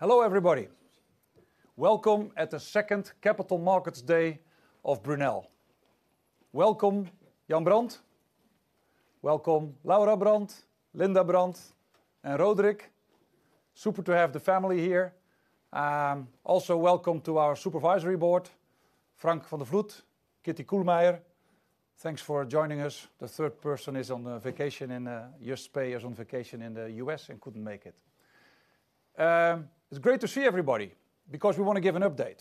Hello, everybody. Welcome at the second Capital Markets Day of Brunel. Welcome, Jan Brand. Welcome, Laura Brand, Linda Brand, and Roderick. Super to have the family here. Also welcome to our Supervisory Board, Frank van der Vloed, Kitty Koelemeijer, thanks for joining us. Kuiper is on vacation in the U.S. and couldn't make it. It's great to see everybody because we want to give an update.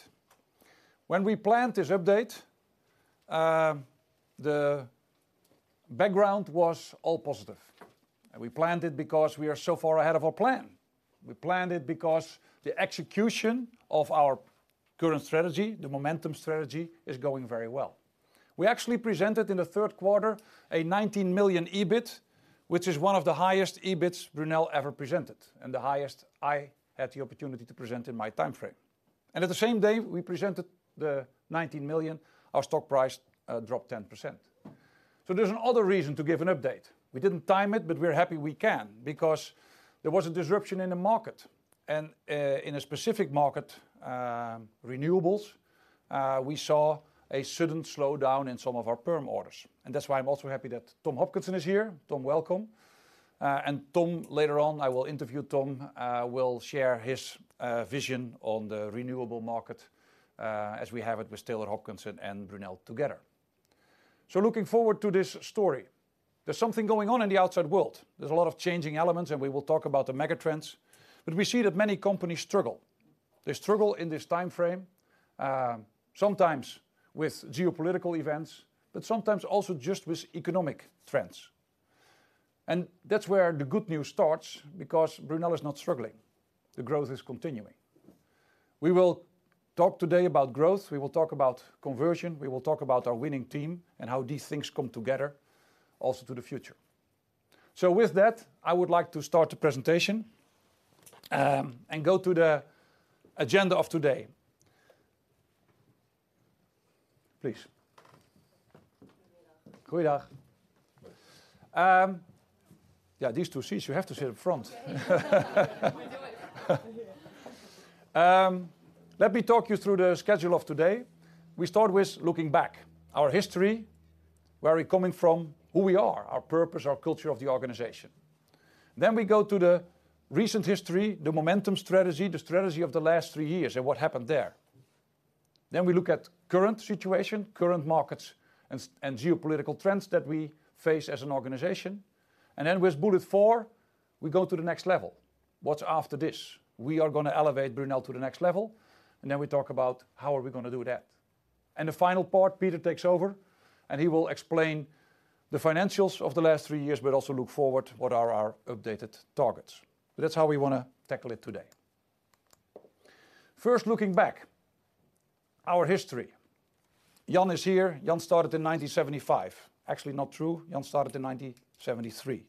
When we planned this update, the background was all positive, and we planned it because we are so far ahead of our plan. We planned it because the execution of our current strategy, the momentum strategy, is going very well. We actually presented in the third quarter a 19 million EBIT, which is one of the highest EBITs Brunel ever presented, and the highest I had the opportunity to present in my timeframe. And at the same day we presented the 19 million, our stock price dropped 10%. So there's another reason to give an update. We didn't time it, but we're happy we can, because there was a disruption in the market and, in a specific market, Renewables, we saw a sudden slowdown in some of our perm orders. And that's why I'm also happy that Tom Hopkinson is here. Tom, welcome. And Tom, later on, I will interview Tom, will share his, vision on the Renewable market, as we have it with Taylor Hopkinson and Brunel together. So looking forward to this story, there's something going on in the outside world. There's a lot of changing elements, and we will talk about the megatrends, but we see that many companies struggle. They struggle in this timeframe, sometimes with geopolitical events, but sometimes also just with economic trends. And that's where the good news starts, because Brunel is not struggling. The growth is continuing. We will talk today about growth, we will talk about conversion, we will talk about our winning team and how these things come together, also to the future. So with that, I would like to start the presentation, and go to the agenda of today. Please. Good day. Good day. Yeah, these two seats, you have to sit up front. We do it. Let me talk you through the schedule of today. We start with looking back, our history, where we're coming from, who we are, our purpose, our culture of the organization. Then we go to the recent history, the momentum strategy, the strategy of the last three years, and what happened there. Then we look at current situation, current markets, and geopolitical trends that we face as an organization. And then with bullet four, we go to the next level. What's after this? We are gonna elevate Brunel to the next level, and then we talk about how are we gonna do that. And the final part, Peter takes over, and he will explain the financials of the last three years, but also look forward, what are our updated targets? That's how we wanna tackle it today. First, looking back, our history. Jan is here. Jan started in 1975. Actually, not true. Jan started in 1973,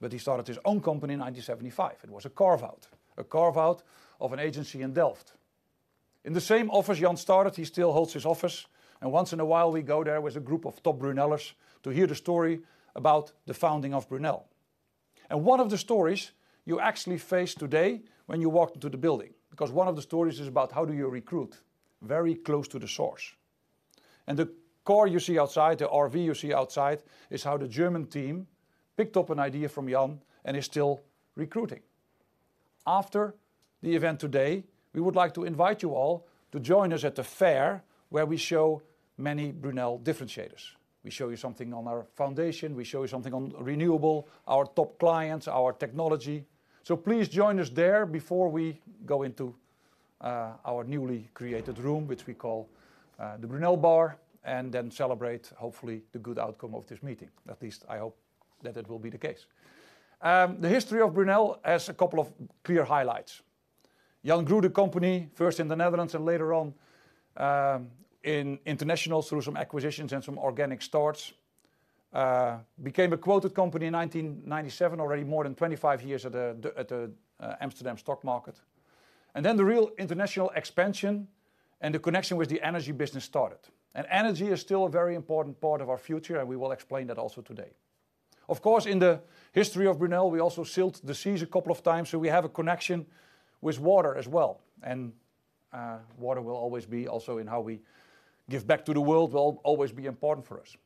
but he started his own company in 1975. It was a carve-out, a carve-out of an agency in Delft. In the same office Jan started, he still holds his office, and once in a while, we go there with a group of top Brunellers to hear the story about the founding of Brunel. And one of the stories you actually face today when you walk into the building, because one of the stories is about how do you recruit? Very close to the source. And the car you see outside, the RV you see outside, is how the German team picked up an idea from Jan and is still recruiting. After the event today, we would like to invite you all to join us at the fair, where we show many Brunel differentiators. We show you something on our foundation, we show you something on Renewable, our top clients, our technology. So please join us there before we go into our newly created room, which we call the Brunel Bar, and then celebrate, hopefully, the good outcome of this meeting. At least I hope that it will be the case. The history of Brunel has a couple of clear highlights. Jan grew the company, first in the Netherlands and later on in international through some acquisitions and some organic starts. Became a quoted company in 1997, already more than 25 years at the Amsterdam stock market. And then the real international expansion and the connection with the energy business started. And energy is still a very important part of our future, and we will explain that also today. Of course, in the history of Brunel, we also sailed the seas a couple of times, so we have a connection with water as well, and water will always be also in how we give back to the world, will always be important for us.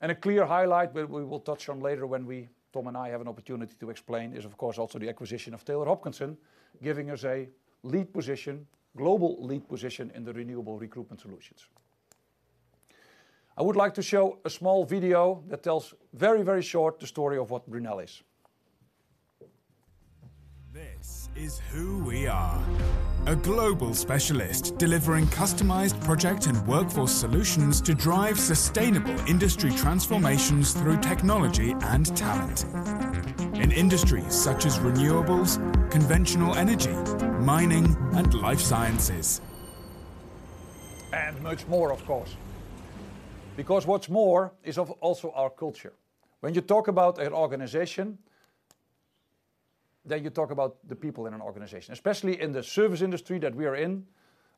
A clear highlight that we will touch on later when we, Tom and I, have an opportunity to explain is, of course, also the acquisition of Taylor Hopkinson, giving us a lead position, global lead position in the Renewable recruitment solutions. I would like to show a small video that tells very, very short, the story of what Brunel is. This is who we are: a global specialist delivering customized project and workforce solutions to drive sustainable industry transformations through technology and talent. In industries such as Renewables, Conventional Energy, mining, and Life Sciences. Much more, of course. Because what's more is also our culture. When you talk about an organization, then you talk about the people in an organization. Especially in the service industry that we are in,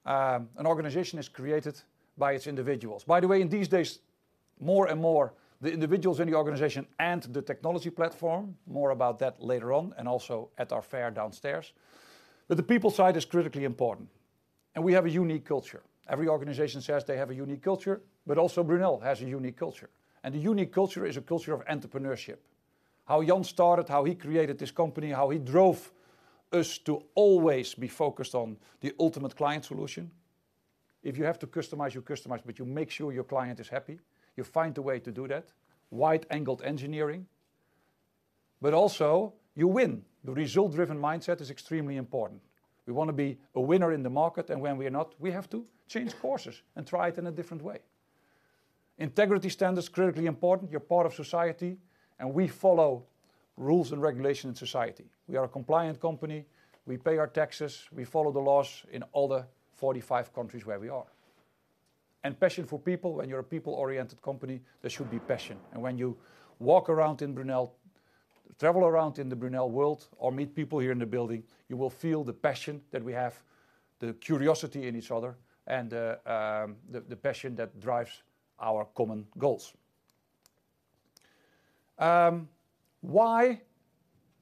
an organization is created by its individuals. More and more, the individuals in the organization and the technology platform, more about that later on, and also at our fair downstairs. But the people side is critically important, and we have a unique culture. Every organization says they have a unique culture, but also Brunel has a unique culture, and a unique culture is a culture of entrepreneurship. How Jan started, how he created this company, how he drove us to always be focused on the ultimate client solution. If you have to customize, you customize, but you make sure your client is happy. You find a way to do that, wide-angled engineering, but also you win. The result-driven mindset is extremely important. We want to be a winner in the market, and when we are not, we have to change courses and try it in a different way. Integrity standard is critically important. You're part of society, and we follow rules and regulations in society. We are a compliant company, we pay our taxes, we follow the laws in all the 45 countries where we are. And passion for people. When you're a people-oriented company, there should be passion. And when you walk around in Brunel, travel around in the Brunel world, or meet people here in the building, you will feel the passion that we have, the curiosity in each other, and the passion that drives our common goals. Why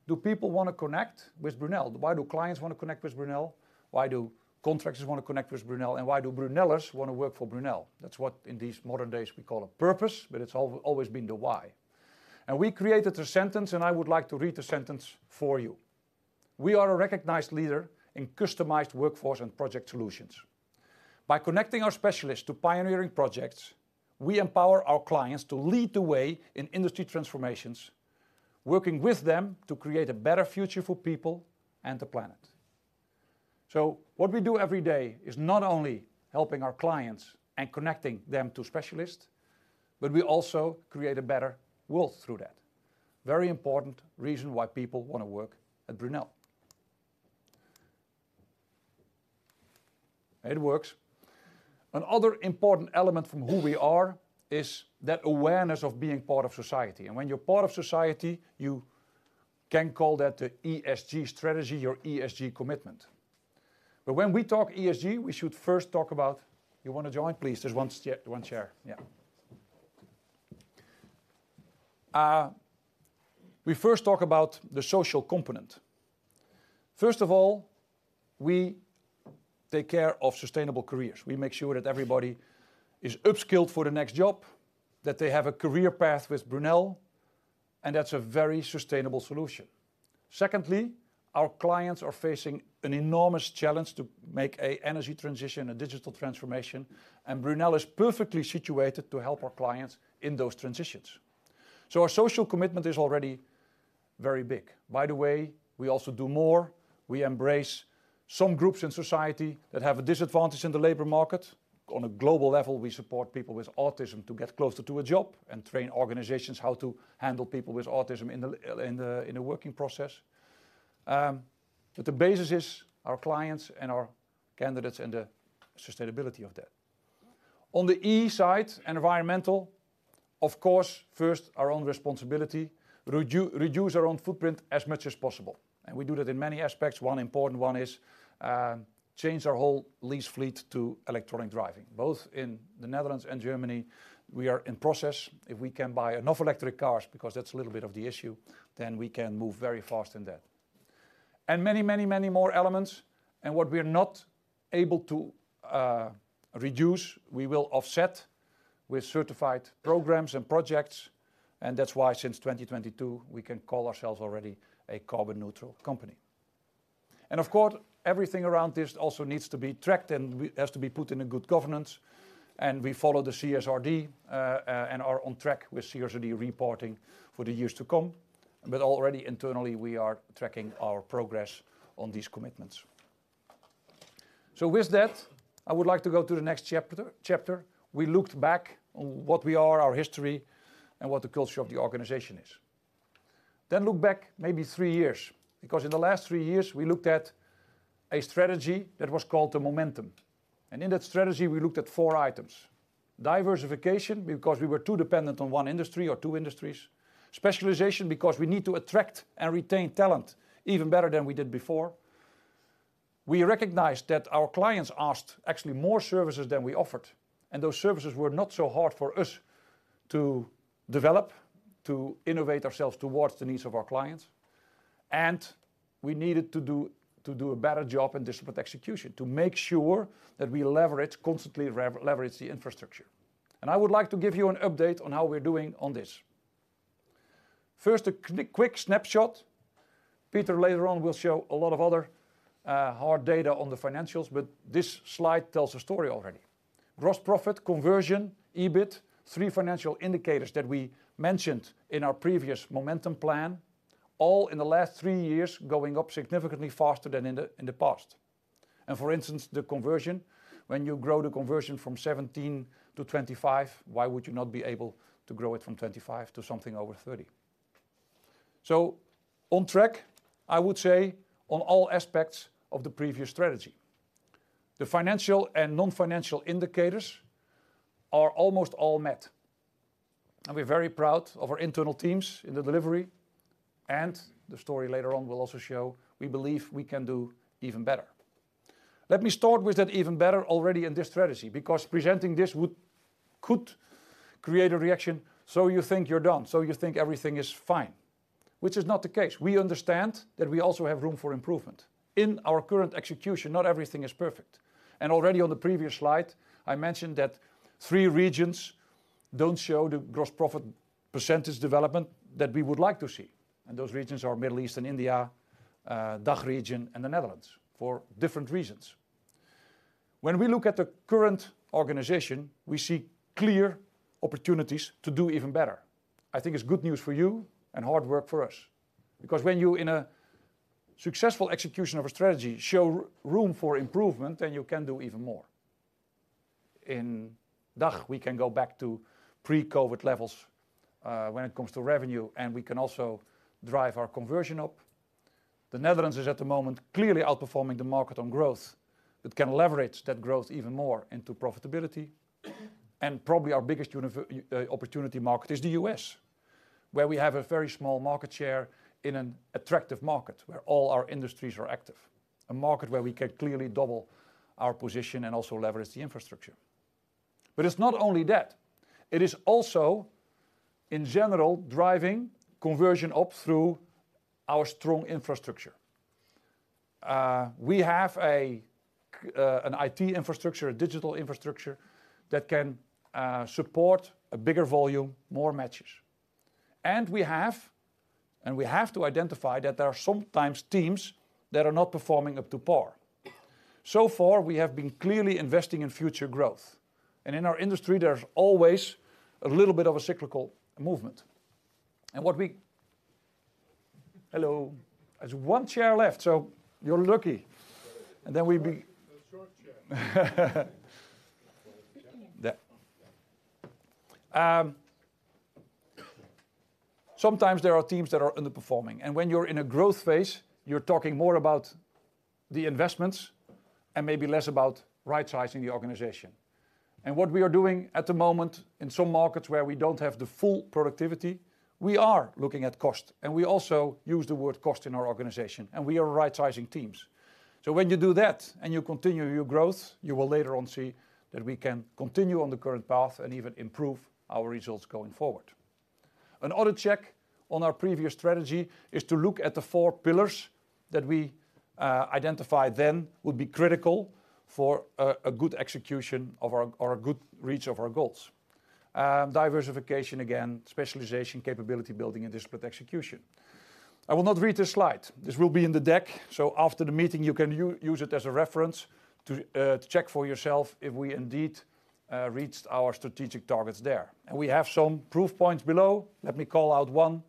do people want to connect with Brunel? Why do clients want to connect with Brunel? Why do contractors want to connect with Brunel? And why do Brunellers want to work for Brunel? That's what, in these modern days, we call a purpose, but it's always been the why. And we created a sentence, and I would like to read the sentence for you. "We are a recognized leader in customized workforce and project solutions. By connecting our specialists to pioneering projects, we empower our clients to lead the way in industry transformations, working with them to create a better future for people and the planet." So what we do every day is not only helping our clients and connecting them to specialists, but we also create a better world through that. Very important reason why people want to work at Brunel. It works. Another important element from who we are is that awareness of being part of society. When you're part of society, you can call that the ESG strategy or ESG commitment. But when we talk ESG, we should first talk about... You want to join? Please, there's one chair, one chair. Yeah. We first talk about the social component. First of all, we take care of sustainable careers. We make sure that everybody is upskilled for the next job, that they have a career path with Brunel, and that's a very sustainable solution. Secondly, our clients are facing an enormous challenge to make a energy transition, a digital transformation, and Brunel is perfectly situated to help our clients in those transitions. So our social commitment is already very big. By the way, we also do more. We embrace some groups in society that have a disadvantage in the labor market. On a global level, we support people with autism to get closer to a job and train organizations how to handle people with autism in a working process. But the basis is our clients and our candidates, and the sustainability of that. On the E side, environmental, of course, first, our own responsibility, reduce our own footprint as much as possible, and we do that in many aspects. One important one is change our whole lease fleet to electronic driving, both in the Netherlands and Germany, we are in process. If we can buy enough electric cars, because that's a little bit of the issue, then we can move very fast in that. And many, many, many more elements. And what we are not able to reduce, we will offset with certified programs and projects, and that's why, since 2022, we can call ourselves already a carbon neutral company. And of course, everything around this also needs to be tracked, and we has to be put in a good governance, and we follow the CSRD and are on track with CSRD reporting for the years to come. But already internally, we are tracking our progress on these commitments. So with that, I would like to go to the next chapter. We looked back on what we are, our history, and what the culture of the organization is. Then look back maybe three years, because in the last three years, we looked at a strategy that was called the momentum, and in that strategy, we looked at four items: diversification, because we were too dependent on one industry or two industries. Specialization, because we need to attract and retain talent even better than we did before. We recognized that our clients asked actually more services than we offered, and those services were not so hard for us to develop, to innovate ourselves towards the needs of our clients. And we needed to do a better job in disciplined execution, to make sure that we leverage, constantly leverage the infrastructure. And I would like to give you an update on how we're doing on this. First, a quick snapshot. Peter, later on, will show a lot of other hard data on the financials, but this slide tells the story already. Gross profit, conversion, EBIT, three financial indicators that we mentioned in our previous momentum plan, all in the last three years, going up significantly faster than in the past. And for instance, the conversion, when you grow the conversion from 17 to 25, why would you not be able to grow it from 25 to something over 30? So on track, I would say, on all aspects of the previous strategy. The financial and non-financial indicators are almost all met, and we're very proud of our internal teams in the delivery. The story later on will also show we believe we can do even better. Let me start with that even better already in this strategy, because presenting this would, could create a reaction: "So you think you're done? So you think everything is fine?" Which is not the case. We understand that we also have room for improvement. In our current execution, not everything is perfect, and already on the previous slide, I mentioned that three regions don't show the gross profit percentage development that we would like to see, and those regions are Middle East and India, DACH region, and the Netherlands, for different reasons. When we look at the current organization, we see clear opportunities to do even better. I think it's good news for you and hard work for us, because when you, in a successful execution of a strategy, show room for improvement, then you can do even more. In DACH, we can go back to pre-COVID levels, when it comes to revenue, and we can also drive our conversion up. The Netherlands is at the moment clearly outperforming the market on growth, but can leverage that growth even more into profitability. Probably our biggest opportunity market is the U.S., where we have a very small market share in an attractive market, where all our industries are active, a market where we can clearly double our position and also leverage the infrastructure. But it's not only that. It is also, in general, driving conversion up through our strong infrastructure. We have an IT infrastructure, a digital infrastructure, that can support a bigger volume, more matches. And we have to identify that there are sometimes teams that are not performing up to par. So far, we have been clearly investing in future growth, and in our industry, there's always a little bit of a cyclical movement. And what we... Hello. There's one chair left, so you're lucky. And then we be. There. Sometimes there are teams that are underperforming, and when you're in a growth phase, you're talking more about the investments and maybe less about right-sizing the organization. And what we are doing at the moment in some markets where we don't have the full productivity, we are looking at cost, and we also use the word "cost" in our organization, and we are right-sizing teams. So when you do that and you continue your growth, you will later on see that we can continue on the current path and even improve our results going forward. Another check on our previous strategy is to look at the four pillars that we identified then would be critical for a, a good execution of our, or a good reach of our goals. Diversification, again, specialization, capability building, and disciplined execution. I will not read this slide. This will be in the deck, so after the meeting, you can use it as a reference to check for yourself if we indeed reached our strategic targets there. We have some proof points below. Let me call out one.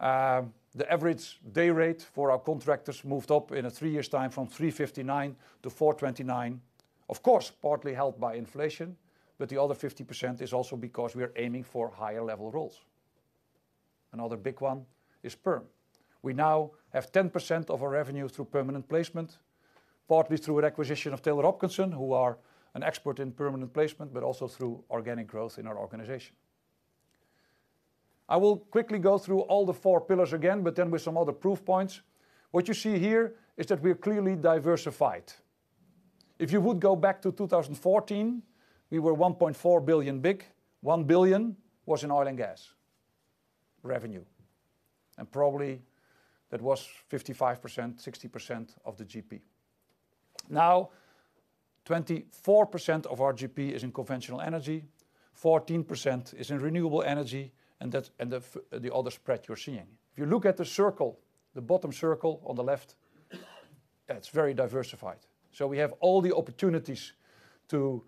The average day rate for our contractors moved up in three years' time from 359 to 429. Of course, partly helped by inflation, but the other 50% is also because we are aiming for higher level roles. Another big one is perm. We now have 10% of our revenue through permanent placement, partly through an acquisition of Taylor Hopkinson, who are an expert in permanent placement, but also through organic growth in our organization. I will quickly go through all the four pillars again, but then with some other proof points. What you see here is that we are clearly diversified. If you would go back to 2014, we were 1.4 billion big. 1 billion was in Oil and Gas revenue, and probably that was 55%-60% of the GP. Now, 24% of our GP is in Conventional Energy, 14% is in Renewable Energy, and that's... and the other spread you're seeing. If you look at the circle, the bottom circle on the left, that's very diversified. So we have all the opportunities to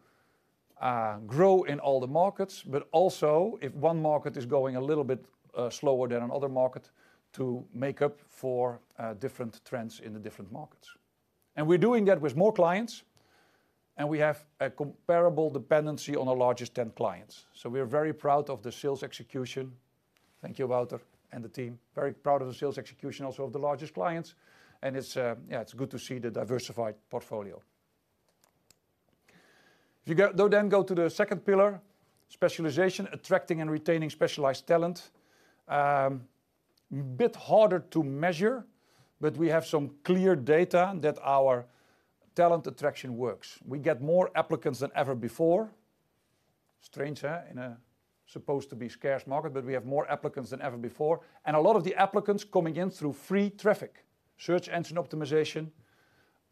grow in all the markets, but also, if one market is going a little bit slower than another market, to make up for different trends in the different markets. And we're doing that with more clients, and we have a comparable dependency on our largest 10 clients. So we are very proud of the sales execution. Thank you, Walter and the team. Very proud of the sales execution, also of the largest clients, and it's, yeah, it's good to see the diversified portfolio. If you go, then go to the second pillar, specialization, attracting and retaining specialized talent. A bit harder to measure, but we have some clear data that our talent attraction works. We get more applicants than ever before. Stranger in a supposed to be scarce market, but we have more applicants than ever before, and a lot of the applicants coming in through free traffic, search engine optimization,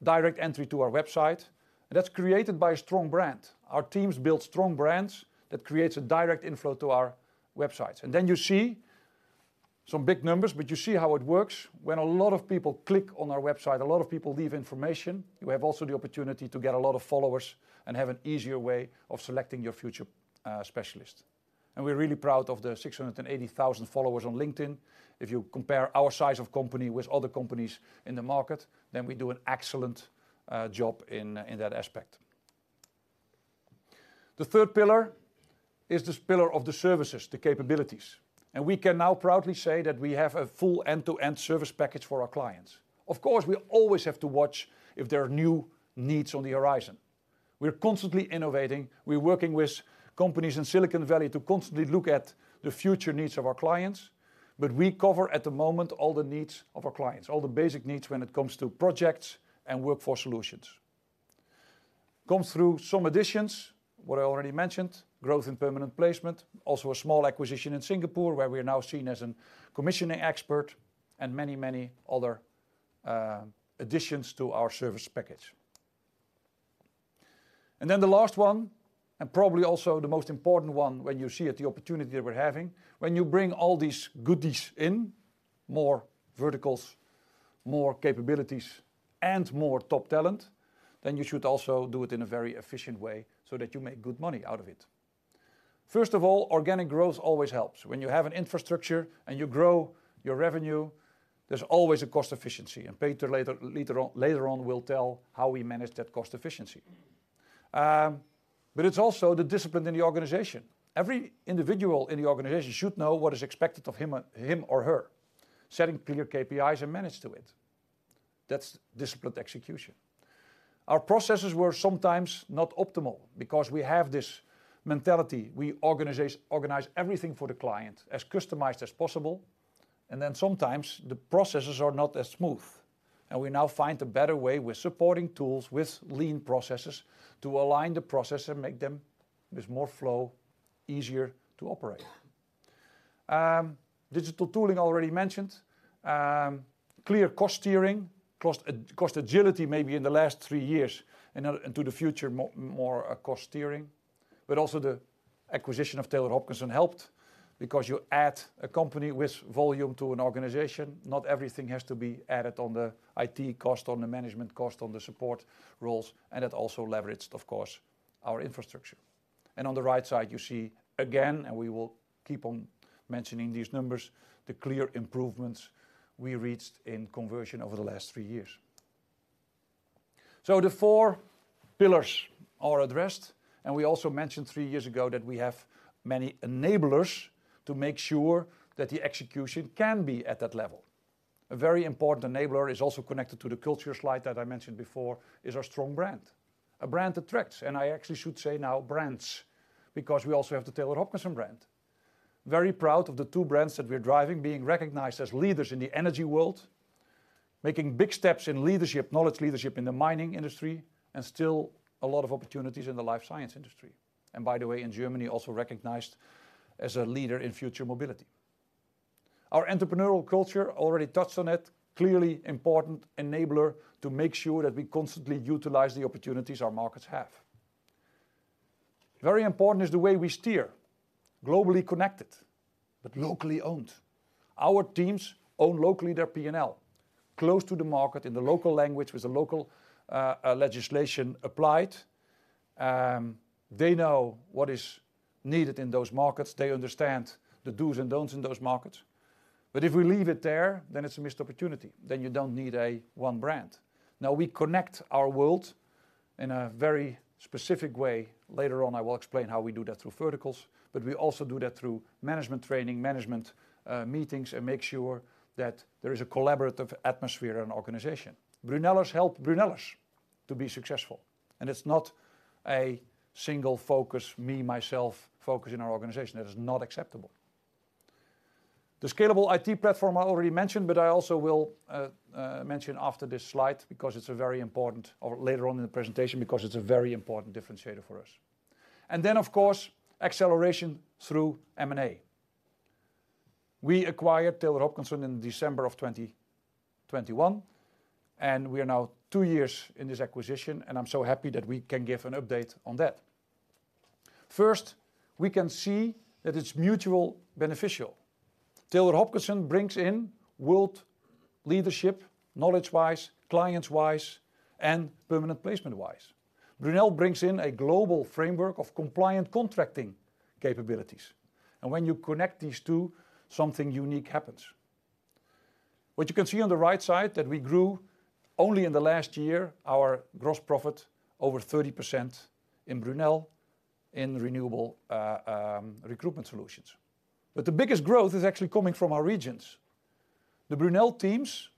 direct entry to our website, and that's created by a strong brand. Our teams build strong brands that creates a direct inflow to our websites. And then you see some big numbers, but you see how it works. When a lot of people click on our website, a lot of people leave information. You have also the opportunity to get a lot of followers and have an easier way of selecting your future, specialists. And we're really proud of the 680,000 followers on LinkedIn. If you compare our size of company with other companies in the market, then we do an excellent job in that aspect. The third pillar is this pillar of the services, the capabilities, and we can now proudly say that we have a full end-to-end service package for our clients. Of course, we always have to watch if there are new needs on the horizon.... We're constantly innovating. We're working with companies in Silicon Valley to constantly look at the future needs of our clients, but we cover, at the moment, all the needs of our clients, all the basic needs when it comes to projects and workforce solutions. Come through some additions, what I already mentioned, growth in permanent placement. Also, a small acquisition in Singapore, where we are now seen as an commissioning expert, and many, many other additions to our service package. And then the last one, and probably also the most important one, when you see it, the opportunity that we're having, when you bring all these goodies in, more verticals, more capabilities, and more top talent, then you should also do it in a very efficient way, so that you make good money out of it. First of all, organic growth always helps. When you have an infrastructure and you grow your revenue, there's always a cost efficiency, and Peter later on will tell how we manage that cost efficiency. But it's also the discipline in the organization. Every individual in the organization should know what is expected of him or her. Setting clear KPIs and manage to it. That's disciplined execution. Our processes were sometimes not optimal because we have this mentality. We organize everything for the client, as customized as possible, and then sometimes the processes are not as smooth, and we now find a better way with supporting tools, with lean processes, to align the process and make them with more flow, easier to operate. Digital tooling, I already mentioned. Clear cost steering, cost agility, maybe in the last three years, and into the future, more cost steering. But also, the acquisition of Taylor Hopkinson helped because you add a company with volume to an organization, not everything has to be added on the IT cost, on the management cost, on the support roles, and it also leveraged, of course, our infrastructure. And on the right side, you see again, and we will keep on mentioning these numbers, the clear improvements we reached in conversion over the last three years. So the four pillars are addressed, and we also mentioned three years ago that we have many enablers to make sure that the execution can be at that level. A very important enabler is also connected to the culture slide that I mentioned before. It is our strong brand, a brand that attracts, and I actually should say now, brands, because we also have the Taylor Hopkinson brand. Very proud of the two brands that we're driving, being recognized as leaders in the energy world, making big steps in leadership, knowledge leadership in the mining industry, and still a lot of opportunities in the Life Science industry. And by the way, in Germany, also recognized as a leader in future mobility. Our entrepreneurial culture, already touched on it, clearly important enabler to make sure that we constantly utilize the opportunities our markets have. Very important is the way we steer. Globally connected, but locally owned. Our teams own locally their P&L, close to the market, in the local language, with the local legislation applied. They know what is needed in those markets. They understand the dos and don'ts in those markets. But if we leave it there, then it's a missed opportunity. Then you don't need a one brand. Now, we connect our world in a very specific way. Later on, I will explain how we do that through verticals, but we also do that through management training, management meetings, and make sure that there is a collaborative atmosphere and organization. Brunellers help Brunellers to be successful, and it's not a single focus, me, myself, focus in our organization. That is not acceptable. The scalable IT platform, I already mentioned, but I also will mention after this slide because it's a very important... or later on in the presentation, because it's a very important differentiator for us. And then, of course, acceleration through M&A. We acquired Taylor Hopkinson in December of 2021, and we are now two years in this acquisition, and I'm so happy that we can give an update on that. First, we can see that it's mutual beneficial. Taylor Hopkinson brings in world leadership, knowledge-wise, clients-wise, and permanent placement-wise. Brunel brings in a global framework of compliant contracting capabilities, and when you connect these two, something unique happens. What you can see on the right side, that we grew only in the last year, our gross profit over 30% in Brunel, in Renewable recruitment solutions. But the biggest growth is actually coming from our regions. The Brunel teams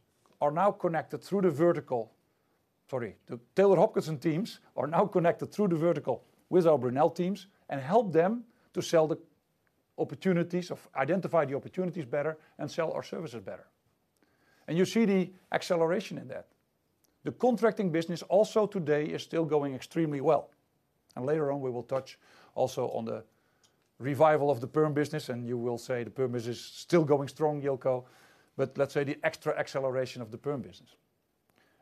are now connected through the vertical... Sorry. The Taylor Hopkinson teams are now connected through the vertical with our Brunel teams and help them to sell the opportunities of, identify the opportunities better and sell our services better. And you see the acceleration in that. The contracting business also today is still going extremely well, and later on, we will touch also on the revival of the perm business, and you will say, "The perm business is still going strong, Jilko," but let's say the extra acceleration of the perm business.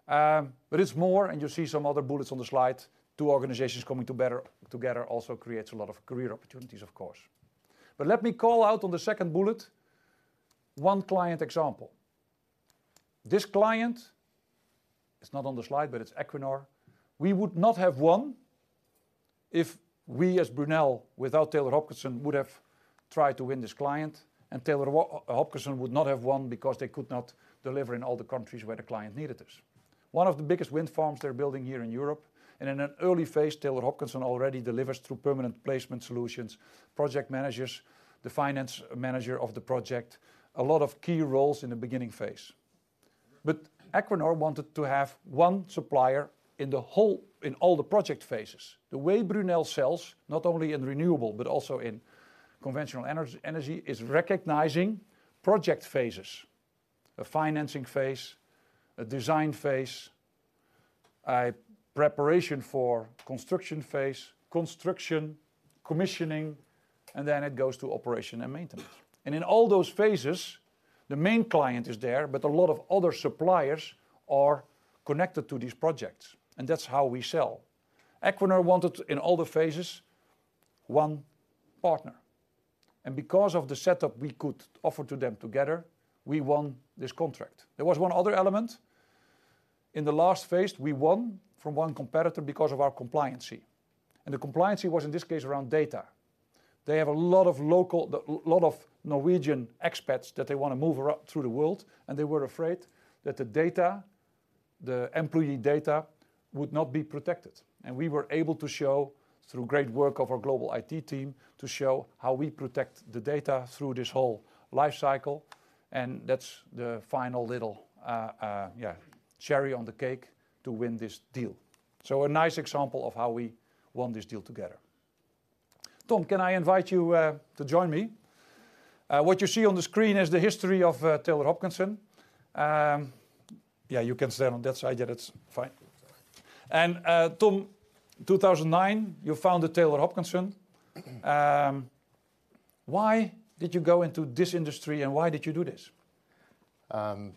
But it's more, and you see some other bullets on the slide. Two organizations coming together better also creates a lot of career opportunities, of course. But let me call out on the second bullet, one client example. This client, it's not on the slide, but it's Equinor. We would not have won if we, as Brunel, without Taylor Hopkinson, would have tried to win this client, and Taylor Hopkinson would not have won because they could not deliver in all the countries where the client needed us. One of the biggest wind farms they're building here in Europe, and in an early phase, Taylor Hopkinson already delivers through permanent placement solutions, project managers, the finance manager of the project, a lot of key roles in the beginning phase... but Equinor wanted to have one supplier in the whole, in all the project phases. The way Brunel sells, not only in Renewable, but also in Conventional Energy, energy, is recognizing project phases: a financing phase, a design phase, a preparation for construction phase, construction, commissioning, and then it goes to operation and maintenance. And in all those phases, the main client is there, but a lot of other suppliers are connected to these projects, and that's how we sell. Equinor wanted, in all the phases, one partner, and because of the setup we could offer to them together, we won this contract. There was one other element. In the last phase, we won from one competitor because of our compliance, and the compliance was, in this case, around data. They have a lot of local, a lot of Norwegian expats that they wanna move around through the world, and they were afraid that the data, the employee data, would not be protected. And we were able to show, through great work of our global IT team, to show how we protect the data through this whole life cycle, and that's the final little cherry on the cake to win this deal. So a nice example of how we won this deal together. Tom, can I invite you to join me? What you see on the screen is the history of Taylor Hopkinson. You can stand on that side. That's fine. Tom, 2009, you founded Taylor Hopkinson. Why did you go into this industry, and why did you do this? Well,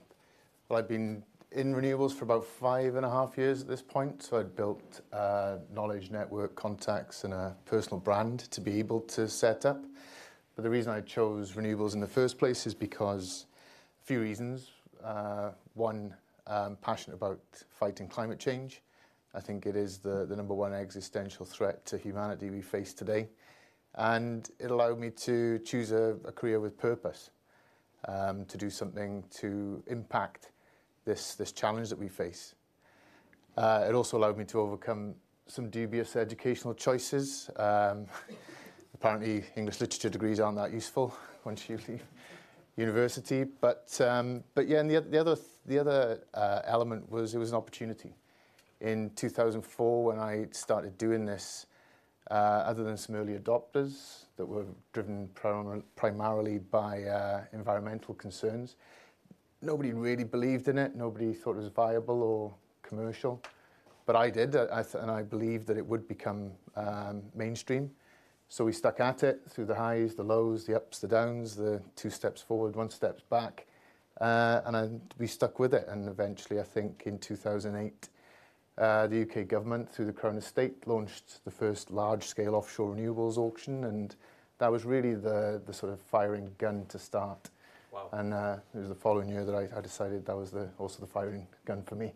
I'd been in Renewables for about 5.5 years at this point, so I'd built a knowledge network, contacts, and a personal brand to be able to set up. But the reason I chose Renewables in the first place is because a few reasons. One, I'm passionate about fighting climate change. I think it is the number one existential threat to humanity we face today, and it allowed me to choose a career with purpose, to do something to impact this challenge that we face. It also allowed me to overcome some dubious educational choices. Apparently, English literature degrees aren't that useful once you leave university. But, but yeah, and the other, the other, element was it was an opportunity. In 2004, when I started doing this, other than some early adopters that were driven primarily by environmental concerns, nobody really believed in it. Nobody thought it was viable or commercial. But I did. And I believed that it would become mainstream. So we stuck at it through the highs, the lows, the ups, the downs, the two steps forward, one step back, and we stuck with it, and eventually, I think in 2008, the U.K. government, through the Crown Estate, launched the first large-scale offshore Renewables auction, and that was really the sort of firing gun to start. Wow! And, it was the following year that I decided that was also the firing gun for me.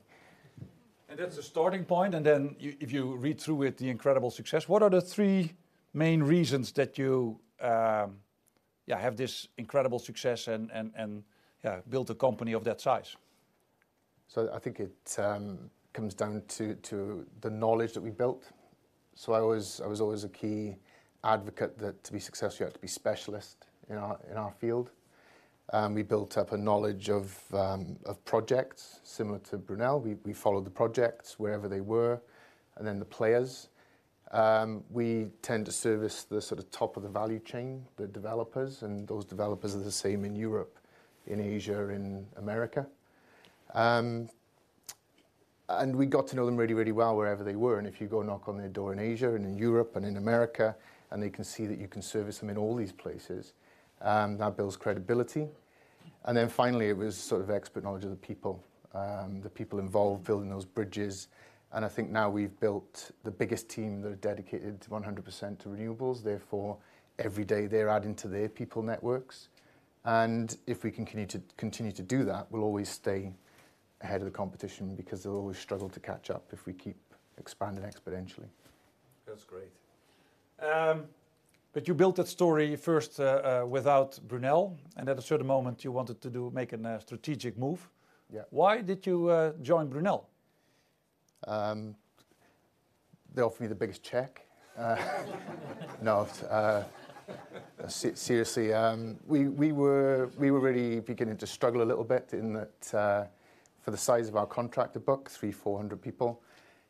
That's the starting point, and then you, if you read through it, the incredible success, what are the three main reasons that you, yeah, have this incredible success and, and, and, yeah, built a company of that size? So I think it comes down to the knowledge that we built. I was always a key advocate that to be successful, you have to be specialist in our field. We built up a knowledge of projects similar to Brunel. We followed the projects wherever they were, and then the players. We tend to service the sort of top of the value chain, the developers, and those developers are the same in Europe, in Asia, in America. And we got to know them really, really well wherever they were, and if you go knock on their door in Asia and in Europe and in America, and they can see that you can service them in all these places, that builds credibility. Then finally, it was sort of expert knowledge of the people, the people involved building those bridges, and I think now we've built the biggest team that are dedicated 100% to Renewables. Therefore, every day they're adding to their people networks, and if we continue to do that, we'll always stay ahead of the competition because they'll always struggle to catch up if we keep expanding exponentially. That's great. But you built that story first, without Brunel, and at a certain moment, you wanted to make a strategic move. Yeah. Why did you join Brunel? They offered me the biggest check. No, seriously, we were really beginning to struggle a little bit in that, for the size of our contractor book, 300-400 people,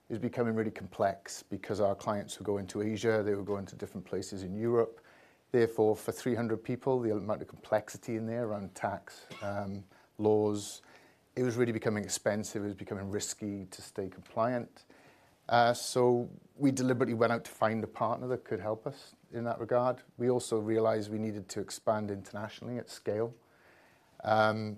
it was becoming really complex because our clients were going to Asia, they were going to different places in Europe. Therefore, for 300 people, the amount of complexity in there around tax laws, it was really becoming expensive. It was becoming risky to stay compliant. So we deliberately went out to find a partner that could help us in that regard. We also realized we needed to expand internationally at scale. And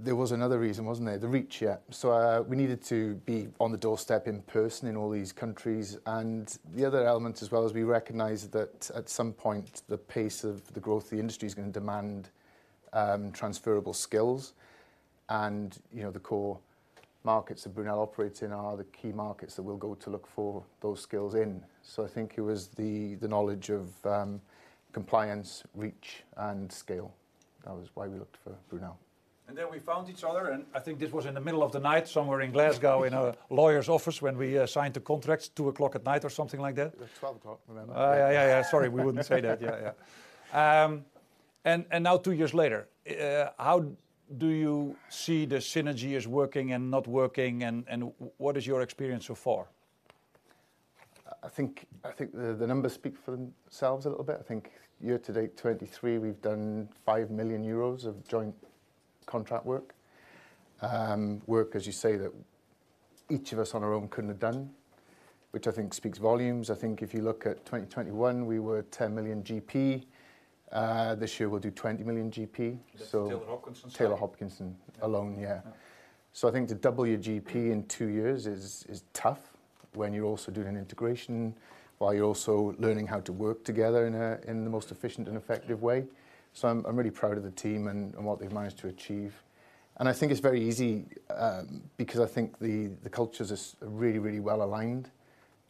there was another reason, wasn't there? The reach, yeah. So, we needed to be on the doorstep in person in all these countries, and the other element as well is we recognized that at some point, the pace of the growth of the industry is gonna demand transferable skills. And, you know, the core markets that Brunel operates in are the key markets that we'll go to look for those skills in. So I think it was the knowledge of compliance, reach, and scale. That was why we looked for Brunel. And then we found each other, and I think this was in the middle of the night, somewhere in Glasgow, in a lawyer's office, when we signed the contracts, 2:00 A.M. or something like that? It was 12 o'clock, remember. Yeah, yeah, sorry, we wouldn't say that. Yeah, yeah. And now two years later, how do you see the synergy is working and not working, and what is your experience so far? I think the numbers speak for themselves a little bit. I think year to date 2023, we've done 5 million euros of joint contract work. Work, as you say, that each of us on our own couldn't have done, which I think speaks volumes. I think if you look at 2021, we were 10 million GP. This year we'll do 20 million GP. That's Taylor Hopkinson. Taylor Hopkinson alone, yeah. Yeah. So I think to double your GP in two years is tough when you're also doing an integration, while you're also learning how to work together in a, in the most efficient and effective way. So I'm really proud of the team and what they've managed to achieve, and I think it's very easy, because I think the cultures are really, really well aligned.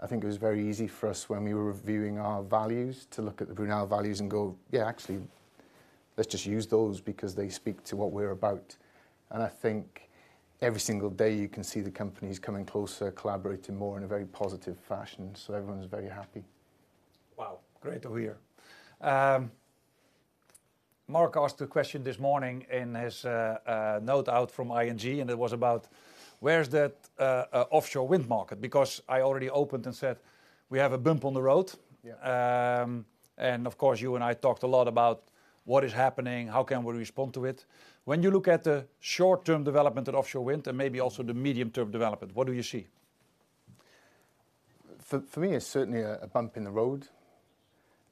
I think it was very easy for us when we were reviewing our values, to look at the Brunel values and go, "Yeah, actually, let's just use those because they speak to what we're about." And I think every single day you can see the companies coming closer, collaborating more in a very positive fashion, so everyone's very happy. Wow, great to hear. Marc asked a question this morning in his note out from ING, and it was about: where's that offshore wind market? Because I already opened and said, we have a bump on the road. Yeah. Of course, you and I talked a lot about what is happening, how can we respond to it. When you look at the short-term development of offshore wind and maybe also the medium-term development, what do you see? For me, it's certainly a bump in the road.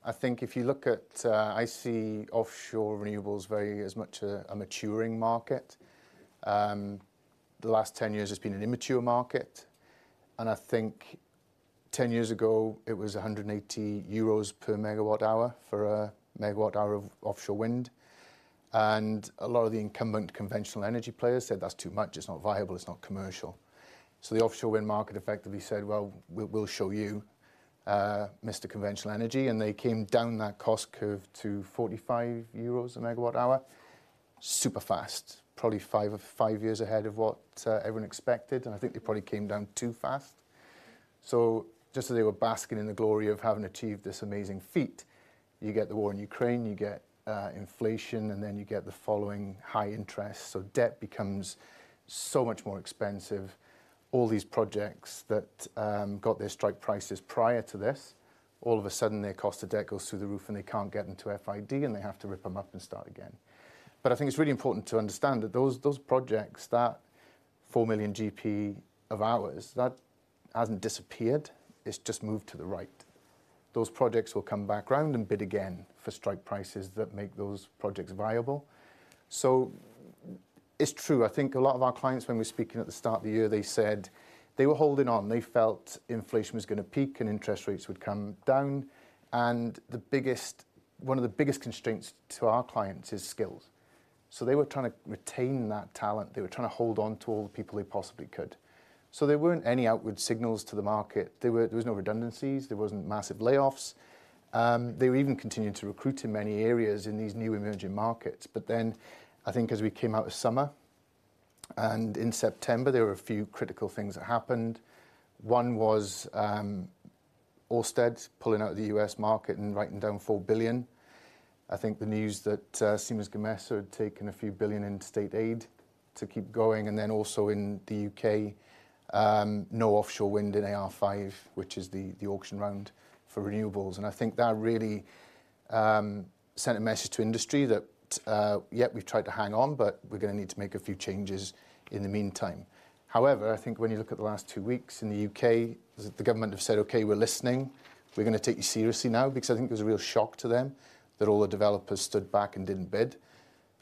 I think if you look at, I see offshore Renewables very much as a maturing market. The last 10 years has been an immature market, and I think 10 years ago it was 180 euros per megawatt hour for a megawatt hour of offshore wind. And a lot of the incumbent Conventional Energy players said, "That's too much. It's not viable, it's not commercial." So the offshore wind market effectively said, "Well, we'll show you, Mr. Conventional Energy," and they came down that cost curve to 45 euros a megawatt hour. Super fast, probably five of five years ahead of what everyone expected, and I think they probably came down too fast. So just as they were basking in the glory of having achieved this amazing feat, you get the war in Ukraine, you get, inflation, and then you get the following high interest, so debt becomes so much more expensive. All these projects that, got their strike prices prior to this, all of a sudden, their cost of debt goes through the roof, and they can't get into FID, and they have to rip them up and start again. But I think it's really important to understand that those, those projects, that 4 million GP of ours, that hasn't disappeared, it's just moved to the right. Those projects will come back round and bid again for strike prices that make those projects viable. So it's true, I think a lot of our clients, when we were speaking at the start of the year, they said they were holding on. They felt inflation was gonna peak, and interest rates would come down, and the biggest- one of the biggest constraints to our clients is skills. So they were trying to retain that talent. They were trying to hold on to all the people they possibly could. So there weren't any outward signals to the market. There were, there was no redundancies, there wasn't massive layoffs. They were even continuing to recruit in many areas in these new emerging markets. But then, I think as we came out of summer and in September, there were a few critical things that happened. One was, Ørsted pulling out of the U.S. market and writing down $4 billion. I think the news that Siemens Gamesa had taken a few billion EUR in state aid to keep going, and then also in the U.K., no offshore wind in AR5, which is the auction round for Renewables. And I think that really sent a message to industry that "Yep, we've tried to hang on, but we're gonna need to make a few changes in the meantime." However, I think when you look at the last two weeks in the U.K., the government have said, "Okay, we're listening. We're gonna take you seriously now." Because I think it was a real shock to them that all the developers stood back and didn't bid.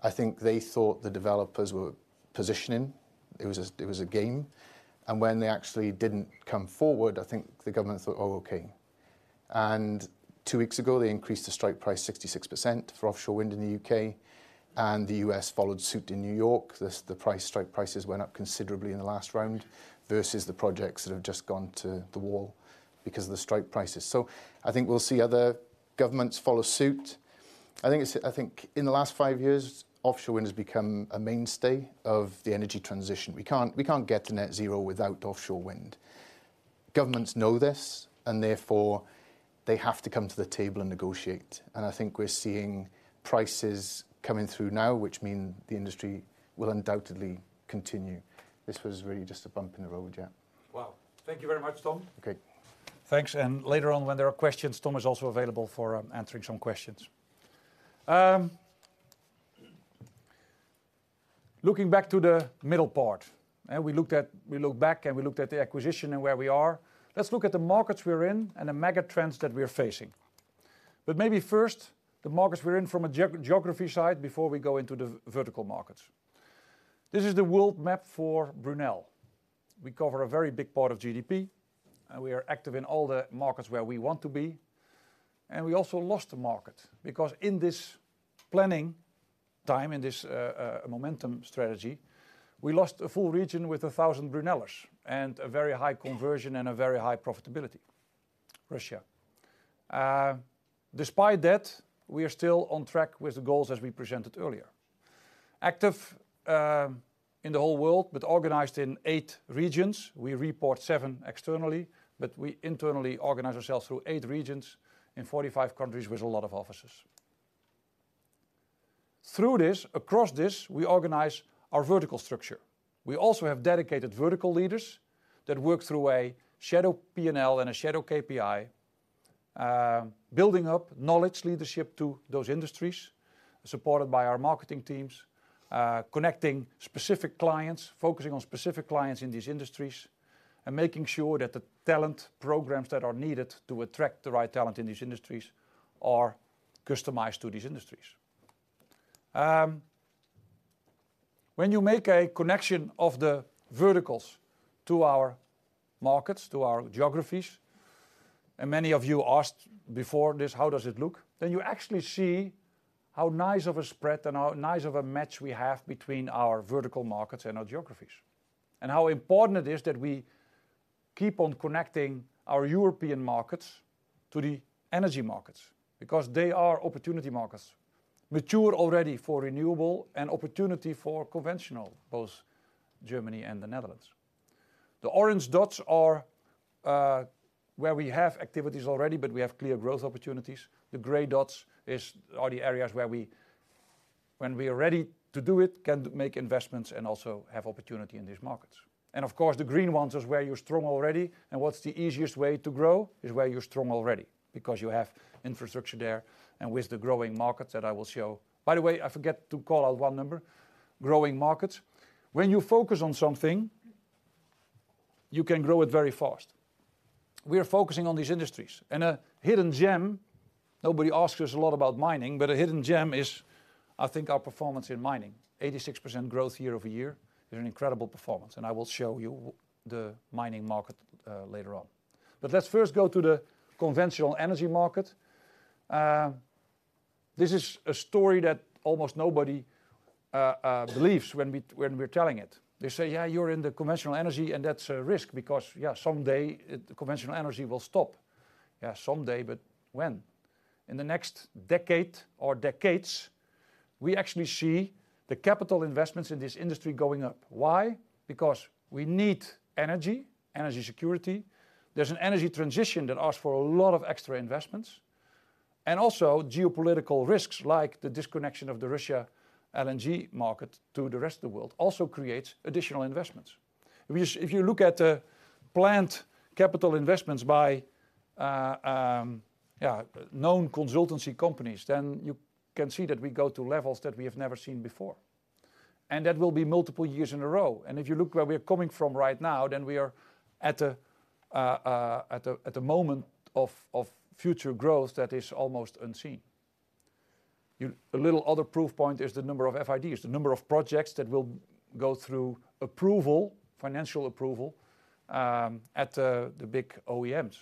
I think they thought the developers were positioning. It was a game, and when they actually didn't come forward, I think the government thought, "Oh, okay." Two weeks ago, they increased the strike price 66% for offshore wind in the U.K., and the U.S. followed suit in New York. The price, strike prices went up considerably in the last round versus the projects that have just gone to the wall because of the strike prices. So I think we'll see other governments follow suit. I think in the last five years, offshore wind has become a mainstay of the energy transition. We can't get to net zero without offshore wind. Governments know this, and therefore, they have to come to the table and negotiate, and I think we're seeing prices coming through now, which mean the industry will undoubtedly continue. This was really just a bump in the road, yeah. Wow. Thank you very much, Tom. Okay. Thanks, and later on, when there are questions, Tom is also available for answering some questions. Looking back to the middle part, and we looked back, and we looked at the acquisition and where we are. Let's look at the markets we're in and the mega trends that we're facing. But maybe first, the markets we're in from a geography side before we go into the vertical markets. This is the world map for Brunel. We cover a very big part of GDP, and we are active in all the markets where we want to be. We also lost a market, because in this planning time, in this momentum strategy, we lost a full region with 1,000 Brunellers and a very high conversion and a very high profitability: Russia. Despite that, we are still on track with the goals as we presented earlier. Active in the whole world, but organized in eight regions. We report seven externally, but we internally organize ourselves through eight regions in 45 countries with a lot of offices. Through this, across this, we organize our vertical structure. We also have dedicated vertical leaders that work through a shadow P&L and a shadow KPI, building up knowledge leadership to those industries, supported by our marketing teams, connecting specific clients, focusing on specific clients in these industries, and making sure that the talent programs that are needed to attract the right talent in these industries are customized to these industries. When you make a connection of the verticals to our markets, to our geographies, and many of you asked before this: how does it look? Then you actually see how nice of a spread and how nice of a match we have between our vertical markets and our geographies, and how important it is that we keep on connecting our European markets to the energy markets, because they are opportunity markets, mature already for Renewable and opportunity for conventional, both Germany and the Netherlands. The orange dots are where we have activities already, but we have clear growth opportunities. The gray dots are the areas where we, when we are ready to do it, can make investments and also have opportunity in these markets. And of course, the green ones is where you're strong already, and what's the easiest way to grow? Is where you're strong already, because you have infrastructure there, and with the growing markets that I will show. By the way, I forget to call out one number, growing markets. When you focus on something, you can grow it very fast. We are focusing on these industries and a hidden gem, nobody asks us a lot about mining, but a hidden gem is, I think, our performance in mining. 86% growth year-over-year is an incredible performance, and I will show you the mining market, later on. But let's first go to the Conventional Energy market. This is a story that almost nobody believes when we, when we're telling it. They say, "Yeah, you're in the Conventional Energy, and that's a risk because, yeah, someday the Conventional Energy will stop." Yeah, someday, but when? In the next decade or decades, we actually see the capital investments in this industry going up. Why? Because we need energy, energy security. There's an energy transition that asks for a lot of extra investments, and also geopolitical risks, like the disconnection of the Russian LNG market to the rest of the world, also creates additional investments. If you, if you look at the planned capital investments by known consultancy companies, then you can see that we go to levels that we have never seen before, and that will be multiple years in a row. And if you look where we are coming from right now, then we are at a, at a moment of, of future growth that is almost unseen. A little other proof point is the number of FIDs, the number of projects that will go through approval, financial approval, at the big OEMs.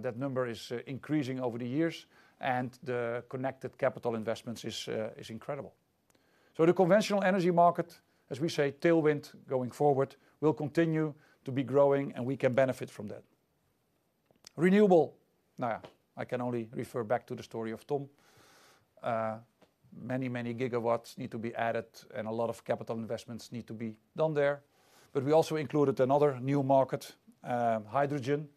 That number is increasing over the years, and the connected capital investments is incredible. So the Conventional Energy market, as we say, tailwind going forward, will continue to be growing, and we can benefit from that. Renewable. Now, I can only refer back to the story of Tom. Many, many gigawatts need to be added, and a lot of capital investments need to be done there, but we also included another new market, hydrogen.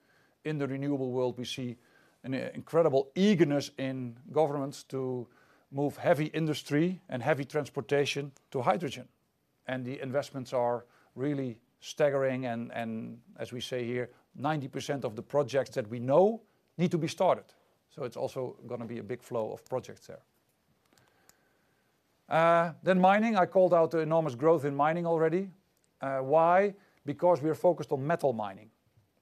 In the Renewable world, we see an incredible eagerness in governments to move heavy industry and heavy transportation to hydrogen, and the investments are really staggering, and, and as we say here, 90% of the projects that we know need to be started. So it's also gonna be a big flow of projects there. Then mining, I called out the enormous growth in mining already. Why? Because we are focused on metal mining.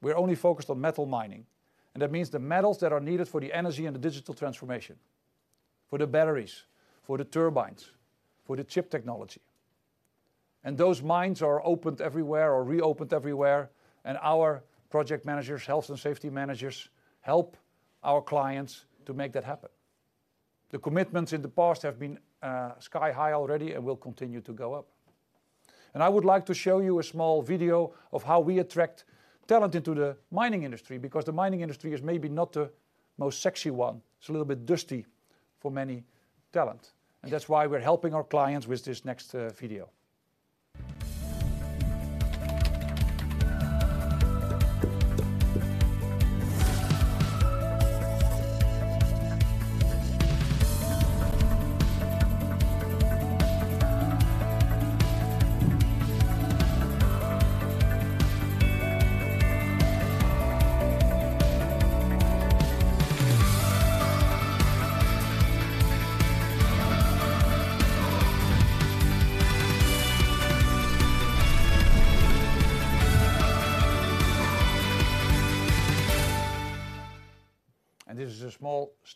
We're only focused on metal mining, and that means the metals that are needed for the energy and the digital transformation, for the batteries, for the turbines, for the chip technology. And those mines are opened everywhere or reopened everywhere, and our project managers, health and safety managers, help our clients to make that happen. The commitments in the past have been sky high already and will continue to go up. And I would like to show you a small video of how we attract talent into the mining industry, because the mining industry is maybe not the most sexy one. It's a little bit dusty for many talent, and that's why we're helping our clients with this next video.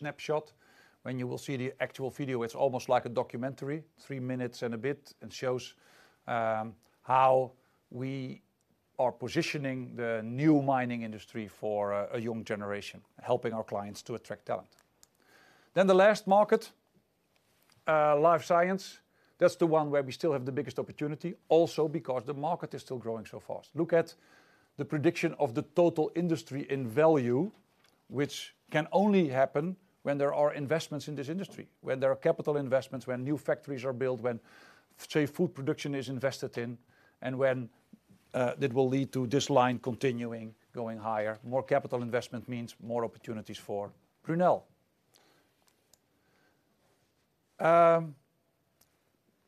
And this is a small snapshot. When you will see the actual video, it's almost like a documentary, three minutes and a bit, and shows how we are positioning the new mining industry for a young generation, helping our clients to attract talent. Then the last market? Life Science, that's the one where we still have the biggest opportunity, also because the market is still growing so fast. Look at the prediction of the total industry in value, which can only happen when there are investments in this industry, when there are capital investments, when new factories are built, when safe food production is invested in, and when that will lead to this line continuing going higher. More capital investment means more opportunities for Brunel.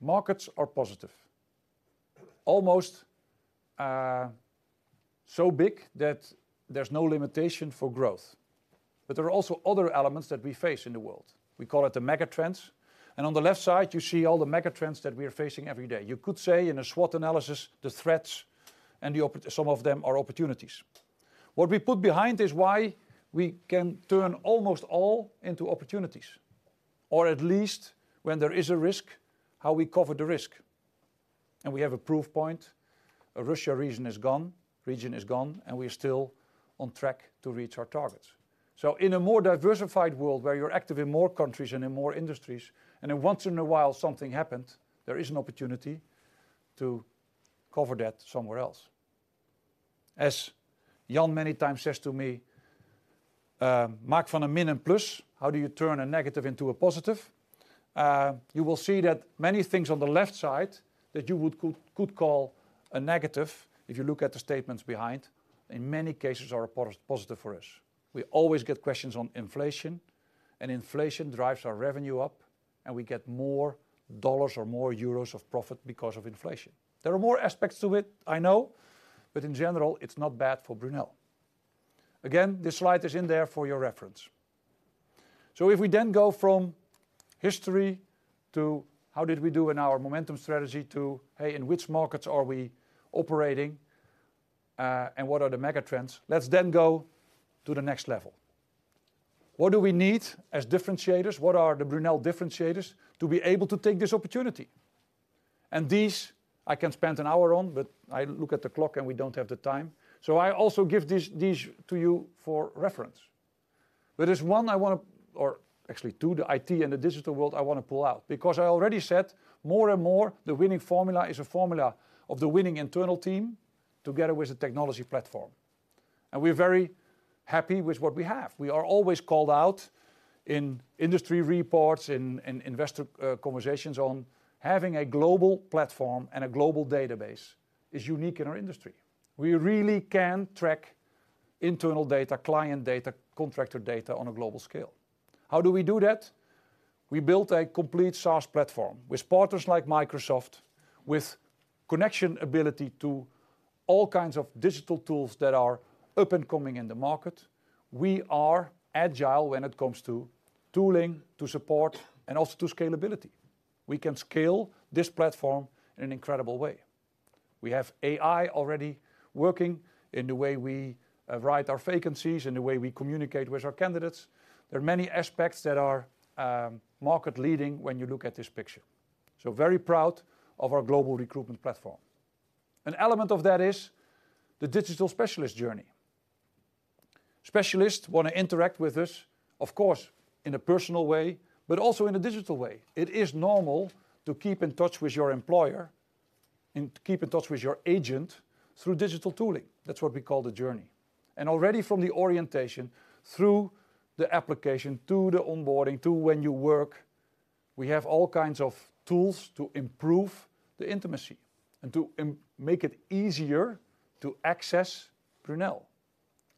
Markets are positive. Almost so big that there's no limitation for growth. But there are also other elements that we face in the world. We call it the megatrends, and on the left side, you see all the megatrends that we are facing every day. You could say in a SWOT analysis, the threats and the opportunities. Some of them are opportunities. What we put behind is why we can turn almost all into opportunities, or at least when there is a risk, how we cover the risk. And we have a proof point. A Russia region is gone, and we're still on track to reach our targets. So in a more diversified world, where you're active in more countries and in more industries, and then once in a while, something happens, there is an opportunity to cover that somewhere else. As Jan many times says to me, "Maak van een min een plus," how do you turn a negative into a positive? You will see that many things on the left side that you would call a negative, if you look at the statements behind, in many cases are a positive for us. We always get questions on inflation, and inflation drives our revenue up, and we get more dollars or more euros of profit because of inflation. There are more aspects to it, I know, but in general, it's not bad for Brunel. Again, this slide is in there for your reference. So if we then go from history to how did we do in our momentum strategy to, hey, in which markets are we operating, and what are the megatrends? Let's then go to the next level. What do we need as differentiators? What are the Brunel differentiators to be able to take this opportunity? These I can spend an hour on, but I look at the clock and we don't have the time. I also give these, these to you for reference. But there's one I want to-- or actually two, the IT and the digital world I want to pull out, because I already said more and more, the winning formula is a formula of the winning internal team together with the technology platform. And we're very happy with what we have. We are always called out in industry reports, in investor conversations on having a global platform and a global database is unique in our industry. We really can track internal data, client data, contractor data on a global scale. How do we do that? We built a complete SaaS platform with partners like Microsoft, with connection ability to all kinds of digital tools that are up and coming in the market. We are agile when it comes to tooling, to support, and also to scalability. We can scale this platform in an incredible way. We have AI already working in the way we write our vacancies, in the way we communicate with our candidates. There are many aspects that are market-leading when you look at this picture. So very proud of our global recruitment platform. An element of that is the digital specialist journey. Specialists want to interact with us, of course, in a personal way, but also in a digital way. It is normal to keep in touch with your employer and keep in touch with your agent through digital tooling. That's what we call the journey. Already from the orientation through the application, to the onboarding, to when you work, we have all kinds of tools to improve the intimacy and to make it easier to access Brunel,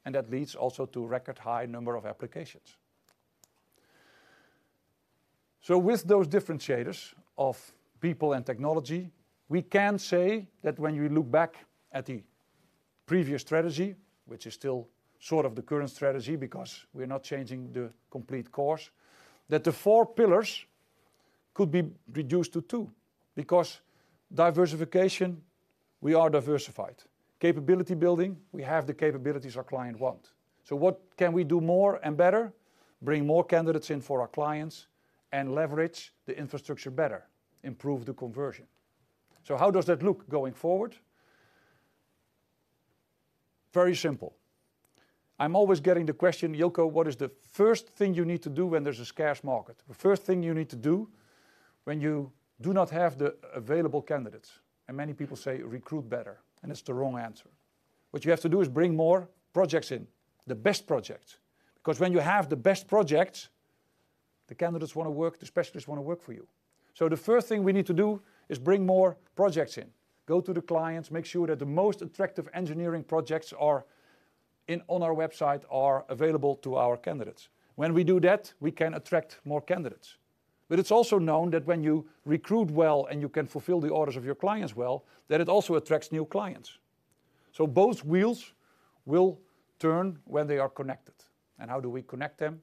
and that leads also to record high number of applications. So with those differentiators of people and technology, we can say that when you look back at the previous strategy, which is still sort of the current strategy, because we're not changing the complete course, that the four pillars could be reduced to two, because diversification, we are diversified. Capability building, we have the capabilities our client want. So what can we do more and better? Bring more candidates in for our clients and leverage the infrastructure better, improve the conversion. So how does that look going forward? Very simple. I'm always getting the question, "Jilko, what is the first thing you need to do when there's a scarce market? The first thing you need to do when you do not have the available candidates?" And many people say, "Recruit better," and it's the wrong answer. What you have to do is bring more projects in, the best projects, because when you have the best projects, the candidates want to work, the specialists want to work for you. So the first thing we need to do is bring more projects in. Go to the clients, make sure that the most attractive engineering projects are on our website, are available to our candidates. When we do that, we can attract more candidates. But it's also known that when you recruit well and you can fulfill the orders of your clients well, that it also attracts new clients. So both wheels will turn when they are connected. And how do we connect them?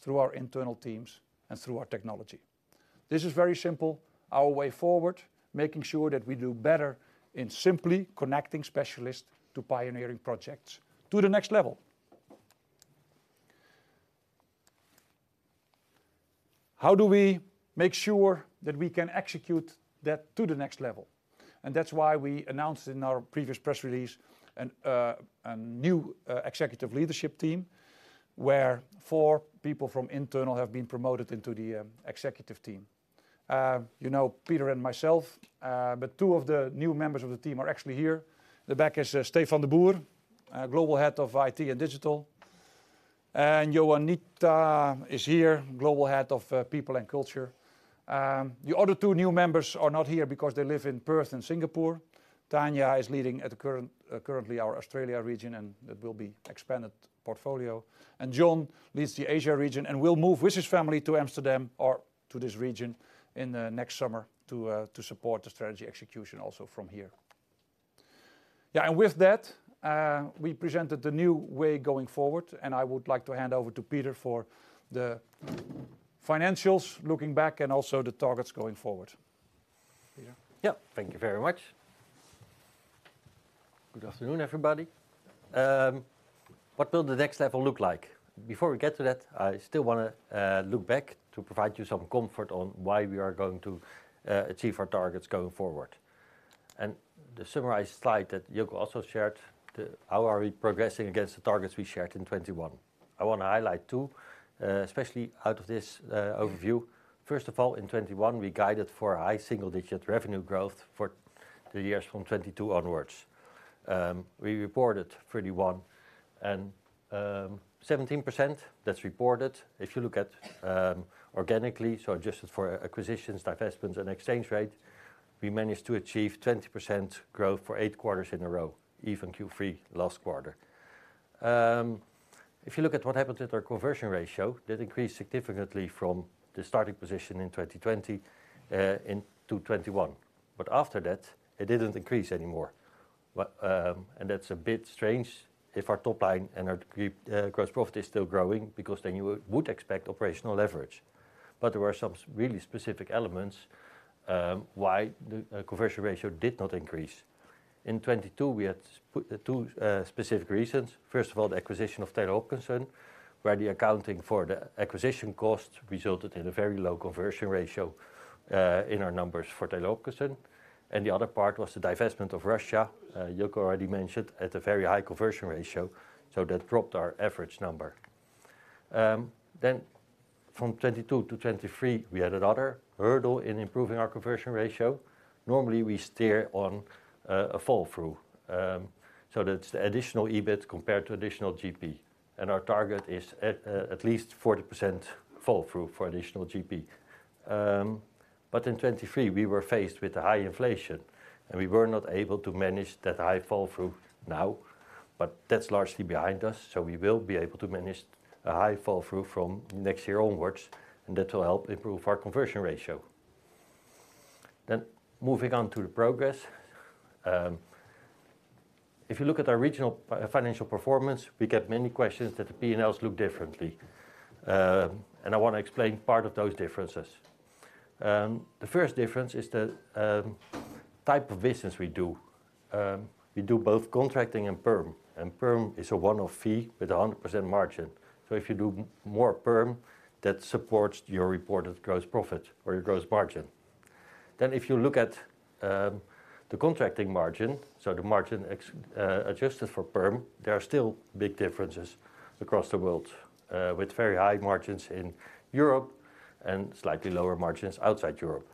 Through our internal teams and through our technology. This is very simple, our way forward, making sure that we do better in simply connecting specialists to pioneering projects to the next level. How do we make sure that we can execute that to the next level? And that's why we announced in our previous press release a new executive leadership team, where four people from internal have been promoted into the executive team. You know, Peter and myself, but two of the new members of the team are actually here. In the back is Stefan de Boer, Global Head of IT and Digital, and Joanita is here, Global Head of People and Culture. The other two new members are not here because they live in Perth and Singapore. Tania is leading currently our Australia region, and that will be expanded portfolio. And Jan leads the Asia region and will move with his family to Amsterdam or to this region in the next summer to support the strategy execution also from here. Yeah, and with that, we presented the new way going forward, and I would like to hand over to Peter for the financials, looking back and also the targets going forward. Peter? Yeah, thank you very much. Good afternoon, everybody. What will the next level look like? Before we get to that, I still wanna look back to provide you some comfort on why we are going to achieve our targets going forward. And the summarized slide that Jilko also shared, the how are we progressing against the targets we shared in 2021? I wanna highlight two, especially out of this overview. First of all, in 2021, we guided for a high single-digit revenue growth for the years from 2022 onwards. We reported 31 and 17%, that's reported. If you look at organically, so adjusted for acquisitions, divestments, and exchange rate, we managed to achieve 20% growth for eight quarters in a row, even Q3 last quarter. If you look at what happened with our conversion ratio, that increased significantly from the starting position in 2020 into 2021. But after that, it didn't increase anymore. But and that's a bit strange if our top line and our GP, gross profit is still growing, because then you would expect operational leverage. But there were some really specific elements why the conversion ratio did not increase. In 2022, we had two specific reasons. First of all, the acquisition of Taylor Hopkinson, where the accounting for the acquisition costs resulted in a very low conversion ratio in our numbers for Taylor Hopkinson. And the other part was the divestment of Russia, Jilko already mentioned, at a very high conversion ratio, so that dropped our average number. Then from 2022 to 2023, we had another hurdle in improving our conversion ratio. Normally, we steer on a fall-through. So that's the additional EBIT compared to additional GP, and our target is at least 40% fall-through for additional GP. But in 2023, we were faced with high inflation, and we were not able to manage that high fall-through now, but that's largely behind us, so we will be able to manage a high fall-through from next year onwards, and that will help improve our conversion ratio. Then, moving on to the progress. If you look at our regional financial performance, we get many questions that the P&Ls look differently, and I wanna explain part of those differences. The first difference is the type of business we do. We do both contracting and perm, and perm is a one-off fee with a 100% margin. So if you do more perm, that supports your reported gross profit or your gross margin. Then, if you look at the contracting margin, so the margin ex adjusted for perm, there are still big differences across the world with very high margins in Europe and slightly lower margins outside Europe.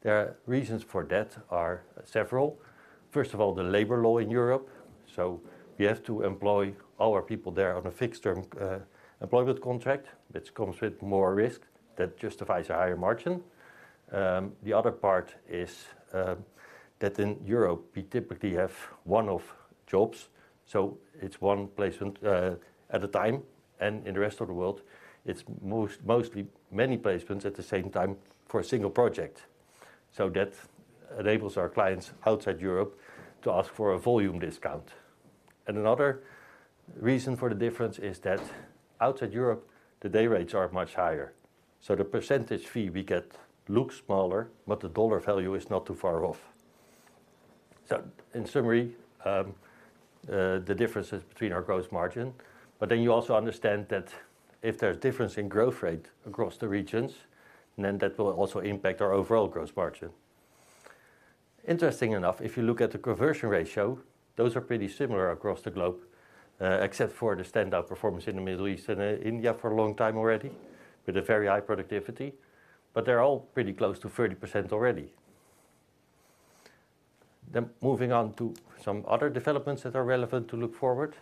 The reasons for that are several. First of all, the labor law in Europe, so we have to employ our people there on a fixed-term employment contract, which comes with more risk that justifies a higher margin. The other part is, that in Europe, we typically have one-off jobs, so it's one placement, at a time, and in the rest of the world, it's mostly many placements at the same time for a single project. So that enables our clients outside Europe to ask for a volume discount. And another reason for the difference is that outside Europe, the day rates are much higher, so the percentage fee we get looks smaller, but the dollar value is not too far off. So in summary, the differences between our gross margin, but then you also understand that if there's difference in growth rate across the regions, then that will also impact our overall gross margin. Interesting enough, if you look at the conversion ratio, those are pretty similar across the globe, except for the standout performance in the Middle East and India for a long time already, with a very high productivity, but they're all pretty close to 30% already. Moving on to some other developments that are relevant to look forward.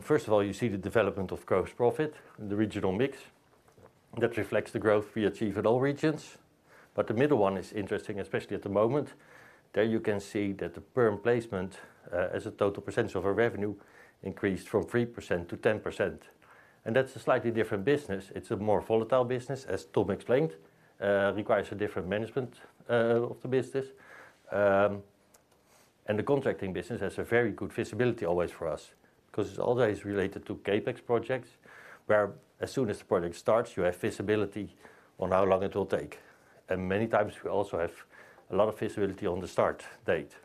First of all, you see the development of gross profit and the regional mix. That reflects the growth we achieve in all regions, but the middle one is interesting, especially at the moment. There you can see that the perm placement, as a total percentage of our revenue, increased from 3%-10%, and that's a slightly different business. It's a more volatile business, as Tom explained, requires a different management of the business. And the contracting business has a very good visibility always for us, 'cause it's always related to CapEx projects, where as soon as the project starts, you have visibility on how long it will take. And many times, we also have a lot of visibility on the start date.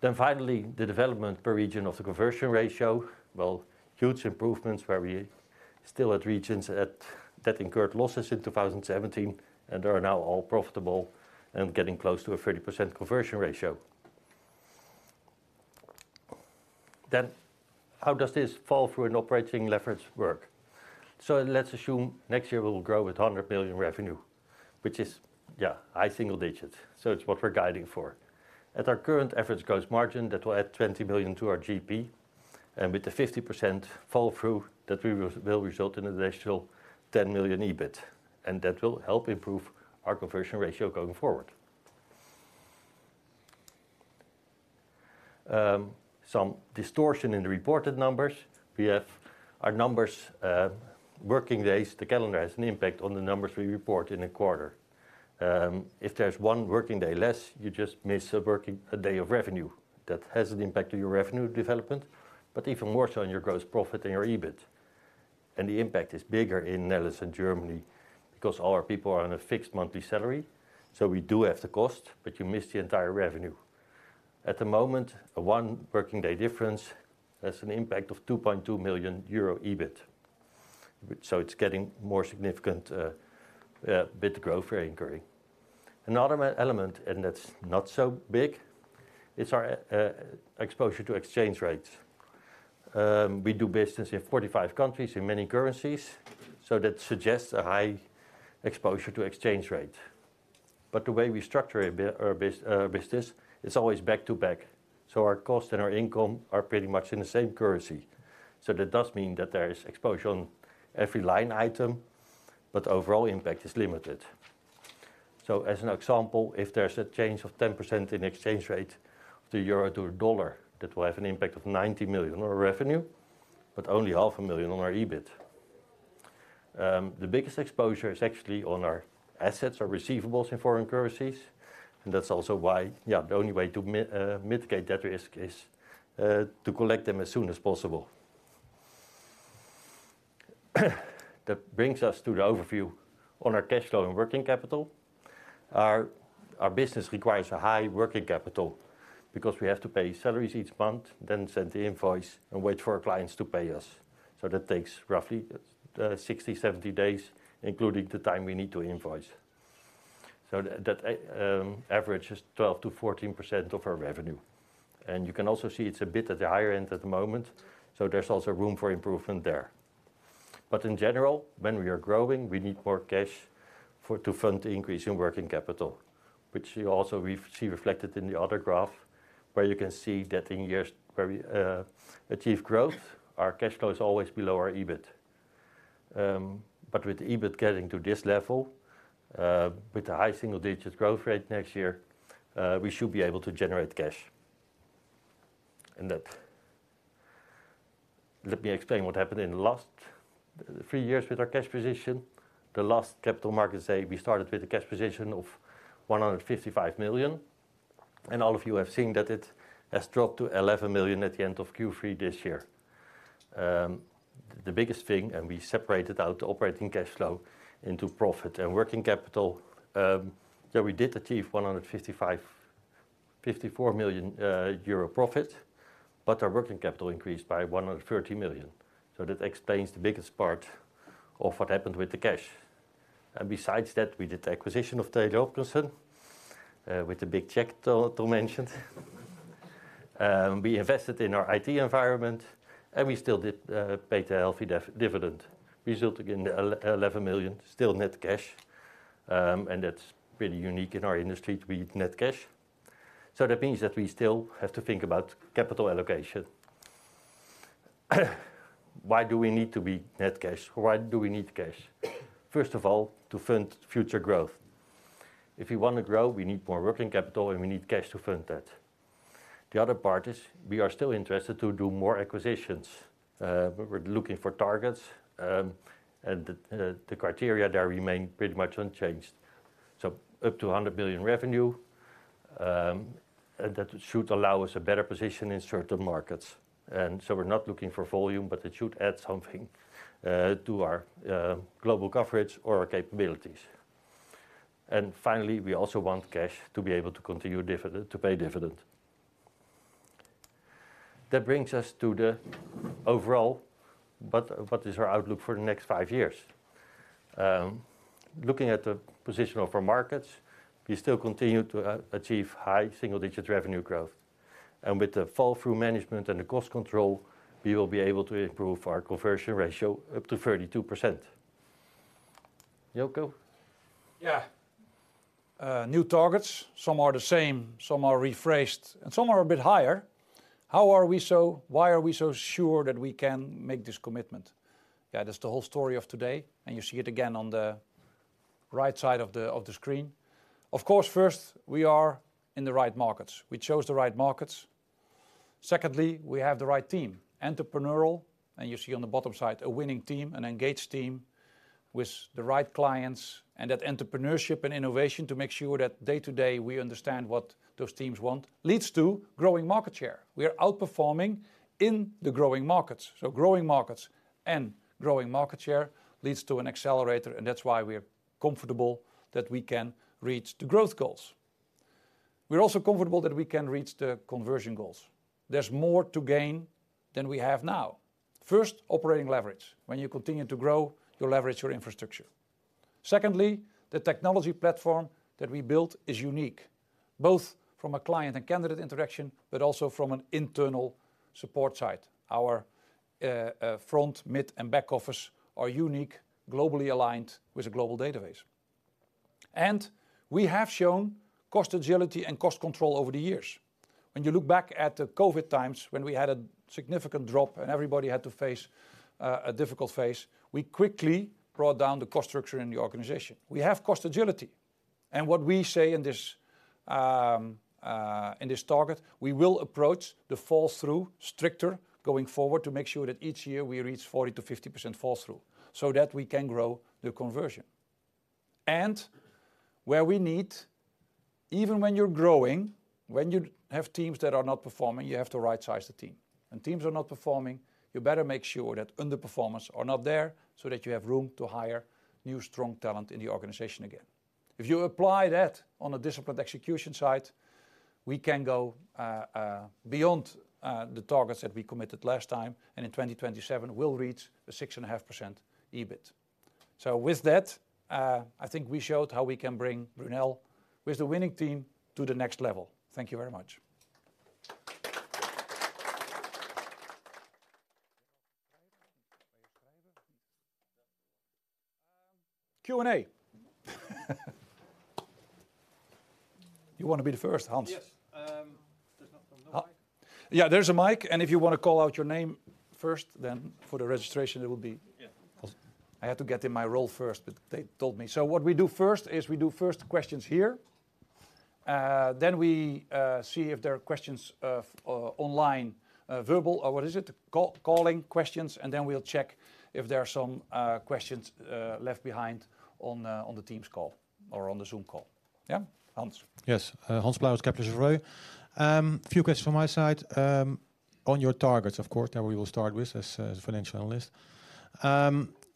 Then finally, the development per region of the conversion ratio. Well, huge improvements where we still had regions at, that incurred losses in 2017, and are now all profitable and getting close to a 30% conversion ratio. Then how does this fall through in operating leverage work? So let's assume next year we will grow with 100 million revenue, which is, yeah, high single digits, so it's what we're guiding for. At our current efforts gross margin, that will add 20 million to our GP, and with the 50% fall through, that we will, will result in an additional 10 million EBIT, and that will help improve our conversion ratio going forward. Some distortion in the reported numbers. We have our numbers, working days, the calendar has an impact on the numbers we report in a quarter. If there's one working day less, you just miss a working day of revenue. That has an impact on your revenue development, but even more so on your gross profit and your EBIT. And the impact is bigger in the Netherlands and Germany, because all our people are on a fixed monthly salary, so we do have the cost, but you miss the entire revenue. At the moment, a one working day difference has an impact of 2.2 million euro EBIT. So it's getting more significant, bit growth we're incurring. Another element, and that's not so big, is our exposure to exchange rates. We do business in 45 countries in many currencies, so that suggests a high exposure to exchange rate. But the way we structure our business, it's always back to back, so our cost and our income are pretty much in the same currency. So that does mean that there is exposure on every line item, but the overall impact is limited. So as an example, if there's a change of 10% in exchange rate of the euro to the dollar, that will have an impact of 90 million on our revenue, but only 0.5 million on our EBIT. The biggest exposure is actually on our assets or receivables in foreign currencies, and that's also why, yeah, the only way to mitigate that risk is to collect them as soon as possible. That brings us to the overview on our cash flow and working capital. Our business requires a high working capital because we have to pay salaries each month, then send the invoice and wait for our clients to pay us. So that takes roughly 60-70 days, including the time we need to invoice. So that average is 12%-14% of our revenue. And you can also see it's a bit at the higher end at the moment, so there's also room for improvement there. But in general, when we are growing, we need more cash for to fund the increase in working capital, which you also see reflected in the other graph, where you can see that in years where we achieve growth, our cash flow is always below our EBIT. But with EBIT getting to this level, with a high single-digit growth rate next year, we should be able to generate cash. And that... Let me explain what happened in the last three years with our cash position. The last capital markets day, we started with a cash position of 155 million, and all of you have seen that it has dropped to 11 million at the end of Q3 this year. The biggest thing, and we separated out the operating cash flow into profit and working capital, yeah, we did achieve 154 million euro profit, but our working capital increased by 130 million. So that explains the biggest part of what happened with the cash. And besides that, we did the acquisition of Taylor Hopkinson with the big check to mention. We invested in our IT environment, and we still did pay the healthy dividend. Result, again, 11 million still net cash, and that's pretty unique in our industry to be net cash. So that means that we still have to think about capital allocation. Why do we need to be net cash? Why do we need cash? First of all, to fund future growth. If we want to grow, we need more working capital, and we need cash to fund that. The other part is we are still interested to do more acquisitions. We're looking for targets, and the criteria there remain pretty much unchanged. So up to 100 million revenue, and that should allow us a better position in certain markets. And so we're not looking for volume, but it should add something to our global coverage or our capabilities. And finally, we also want cash to be able to continue dividend, to pay dividend. That brings us to the overall, but what is our outlook for the next five years? Looking at the position of our markets, we still continue to achieve high single-digit revenue growth, and with the fall-through management and the cost control, we will be able to improve our conversion ratio up to 32%. Jilko? Yeah. New targets. Some are the same, some are rephrased, and some are a bit higher. How are we so... Why are we so sure that we can make this commitment? Yeah, that's the whole story of today, and you see it again on the right side of the screen. Of course, first, we are in the right markets. We chose the right markets. Secondly, we have the right team, entrepreneurial, and you see on the bottom side, a winning team, an engaged team with the right clients, and that entrepreneurship and innovation to make sure that day to day, we understand what those teams want, leads to growing market share. We are outperforming in the growing markets. So growing markets and growing market share leads to an accelerator, and that's why we are comfortable that we can reach the growth goals. We're also comfortable that we can reach the conversion goals. There's more to gain than we have now. First, operating leverage. When you continue to grow, you leverage your infrastructure. Secondly, the technology platform that we built is unique, both from a client and candidate interaction, but also from an internal support side. Our front, mid, and back office are unique, globally aligned with a global database. And we have shown cost agility and cost control over the years. When you look back at the COVID times, when we had a significant drop and everybody had to face a difficult phase, we quickly brought down the cost structure in the organization. We have cost agility, and what we say in this, in this target, we will approach the fall-through stricter going forward to make sure that each year we reach 40%-50% fall-through, so that we can grow the conversion. And where we need. Even when you're growing, when you have teams that are not performing, you have to rightsize the team. When teams are not performing, you better make sure that underperformers are not there, so that you have room to hire new, strong talent in the organization again. If you apply that on a disciplined execution side, we can go beyond the targets that we committed last time, and in 2027, we'll reach the 6.5% EBIT. So with that, I think we showed how we can bring Brunel with the winning team to the next level. Thank you very much. Q&A. You want to be the first, Hans? Yes. No mic. Yeah, there's a mic, and if you want to call out your name first, then for the registration, it will be- Yeah. I had to get in my role first, but they told me. So what we do first is we do first questions here, then we see if there are questions online, verbal or what is it? Call-calling questions, and then we'll check if there are some questions left behind on the Teams call or on the Zoom call. Yeah, Hans? Yes. Hans Pluijgers, Kepler Cheuvreux. Few questions from my side. On your targets, of course, that we will start with, as a financial analyst.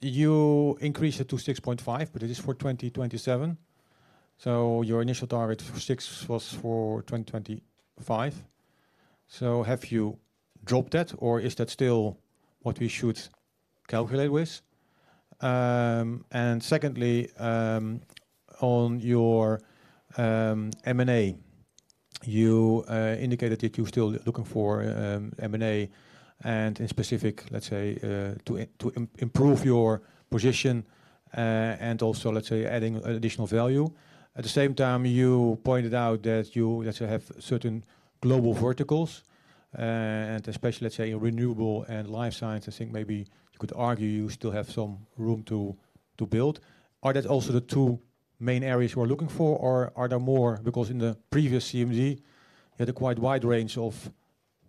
You increased it to 6.5, but it is for 2027. So your initial target for 6 was for 2025. So have you dropped that, or is that still what we should calculate with? And secondly, on your M&A, you indicated that you're still looking for M&A, and in specific, let's say, to improve your position, and also, let's say, adding additional value. At the same time, you pointed out that you, let's say, have certain global verticals, and especially, let's say, Renewable and Life Science. I think maybe you could argue you still have some room to build. Are that also the two main areas you are looking for, or are there more? Because in the previous CMD, you had a quite wide range of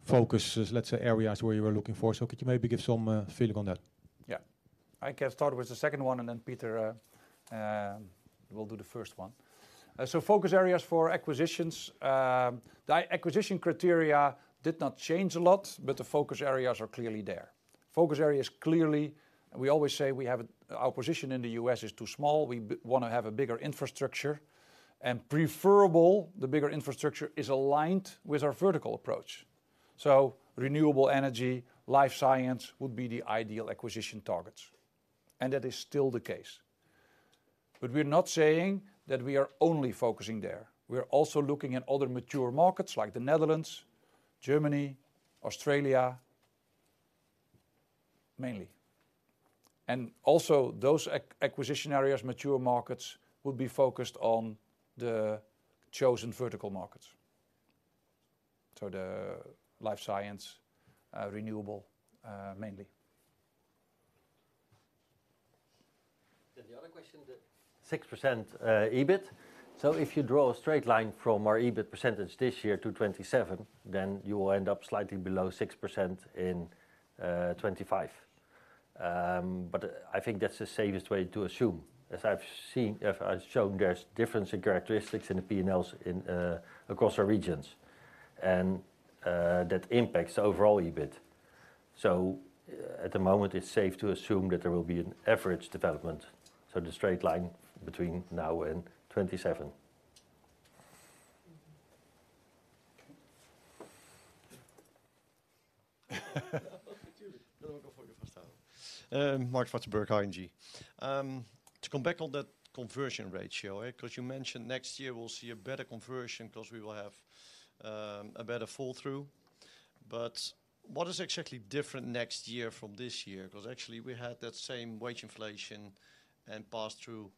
focuses, let's say, areas where you were looking for. So could you maybe give some feeling on that? Yeah. I can start with the second one, and then Pieter will do the first one. So focus areas for acquisitions. The acquisition criteria did not change a lot, but the focus areas are clearly there. Focus areas, clearly, we always say we have... Our position in the U.S. is too small. We want to have a bigger infrastructure, and preferable, the bigger infrastructure is aligned with our vertical approach. So Renewable Energy, Life Science would be the ideal acquisition targets, and that is still the case. But we're not saying that we are only focusing there. We are also looking at other mature markets like the Netherlands, Germany, Australia, mainly. And also those acquisition areas, mature markets, would be focused on the chosen vertical markets, so the Life Science, Renewable, mainly. Then the other question, the 6%, EBIT. So if you draw a straight line from our EBIT percentage this year to 2027, then you will end up slightly below 6% in 2025. But I think that's the safest way to assume, as I've seen, as I've shown, there's difference in characteristics in the P&Ls in across our regions, and that impacts the overall EBIT. So at the moment, it's safe to assume that there will be an average development, so the straight line between now and 2027. Marc Zwartsenburg, ING. To come back on that conversion ratio, because you mentioned next year we'll see a better conversion because we will have a better fall-through. But what is exactly different next year from this year? Because actually, we had that same wage inflation and pass-through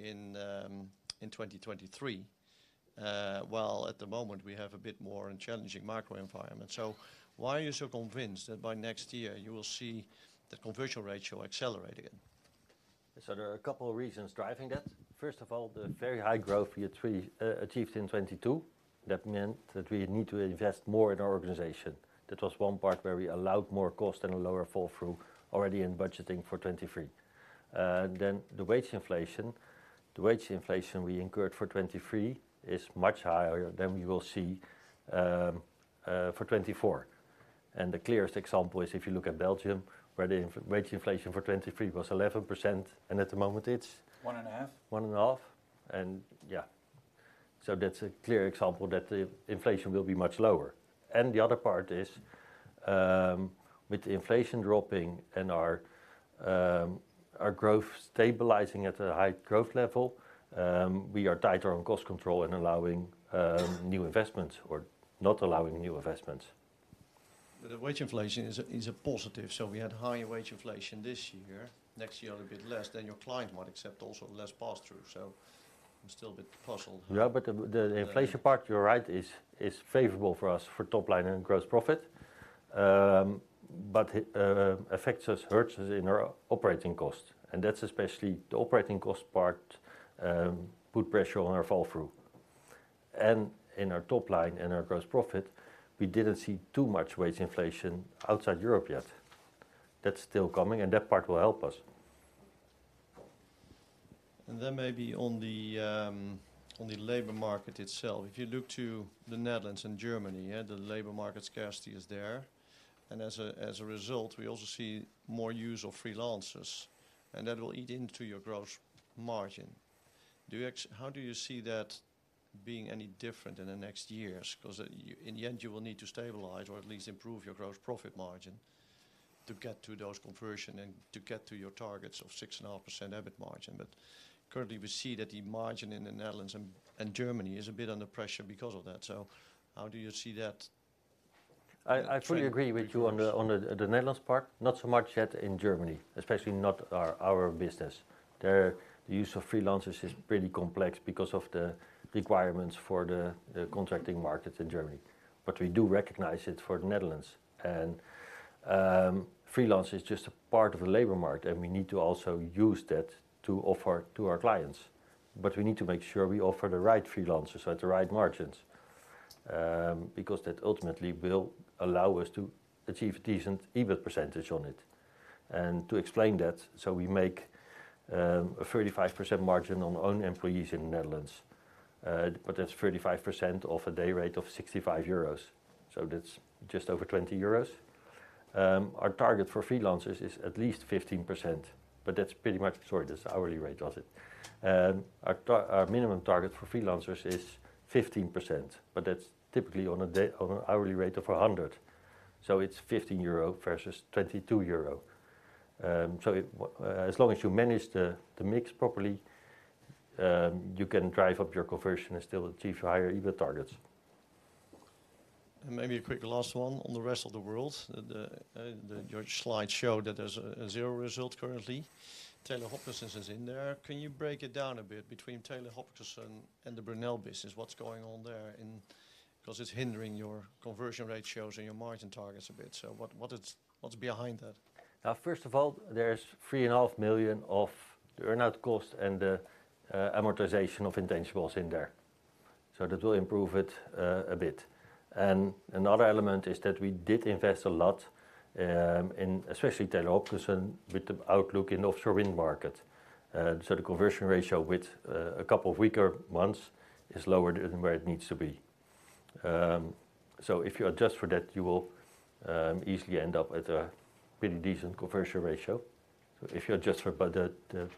in 2023. While at the moment, we have a bit more challenging macro environment. So why are you so convinced that by next year you will see the conversion ratio accelerate again? So there are a couple of reasons driving that. First of all, the very high growth we achieved in 2022, that meant that we need to invest more in our organization. That was one part where we allowed more cost and a lower fall-through already in budgeting for 2023. Then the wage inflation we incurred for 2023 is much higher than we will see for 2024... and the clearest example is if you look at Belgium, where the wage inflation for 2023 was 11%, and at the moment it's? 1.5%. 1.5%, and yeah. So that's a clear example that the inflation will be much lower. And the other part is, with the inflation dropping and our, our growth stabilizing at a high growth level, we are tighter on cost control and allowing, new investments or not allowing new investments. But the wage inflation is a positive. So we had higher wage inflation this year. Next year a little bit less than your client might accept, also less pass-through. So I'm still a bit puzzled. Yeah, but the inflation part, you're right, is favorable for us for top line and gross profit. But it affects us, hurts us in our operating costs, and that's especially the operating cost part, put pressure on our fall-through. And in our top line and our gross profit, we didn't see too much wage inflation outside Europe yet. That's still coming, and that part will help us. And then maybe on the, on the labor market itself, if you look to the Netherlands and Germany, yeah, the labor market scarcity is there, and as a result, we also see more use of freelancers, and that will eat into your gross margin. Do you—how do you see that being any different in the next years? 'Cause, you... in the end, you will need to stabilize or at least improve your gross profit margin to get to those conversion and to get to your targets of 6.5% EBIT margin. But currently, we see that the margin in the Netherlands and Germany is a bit under pressure because of that. So how do you see that? I fully agree with you on the Netherlands part, not so much yet in Germany, especially not our business. There, the use of freelancers is pretty complex because of the requirements for the contracting markets in Germany. But we do recognize it for the Netherlands. And freelance is just a part of the labor market, and we need to also use that to offer to our clients. But we need to make sure we offer the right freelancers at the right margins, because that ultimately will allow us to achieve a decent EBIT percentage on it. And to explain that, so we make a 35% margin on our own employees in the Netherlands, but that's 35% of a day rate of 65 euros, so that's just over 20 euros. Our target for freelancers is at least 15%, but that's pretty much... Sorry, that's hourly rate, does it? Our minimum target for freelancers is 15%, but that's typically on a day, on an hourly rate of 100. So it's 15 euro versus 22 euro. So, as long as you manage the mix properly, you can drive up your conversion and still achieve higher EBIT targets. Maybe a quick last one on the rest of the world. The, your slide showed that there's a zero result currently. Taylor Hopkinson is in there. Can you break it down a bit between Taylor Hopkinson and the Brunel business? What's going on there in... 'Cause it's hindering your conversion rate shows and your margin targets a bit. So what, what is, what's behind that? First of all, there's 3.5 million of the earn-out cost and the, amortization of intangibles in there. So that will improve it, a bit. And another element is that we did invest a lot, in especially Taylor Hopkinson, with the outlook in offshore wind market. So the conversion ratio with, a couple of weaker months is lower than where it needs to be. So if you adjust for that, you will, easily end up with a pretty decent conversion ratio. So if you adjust for both the, the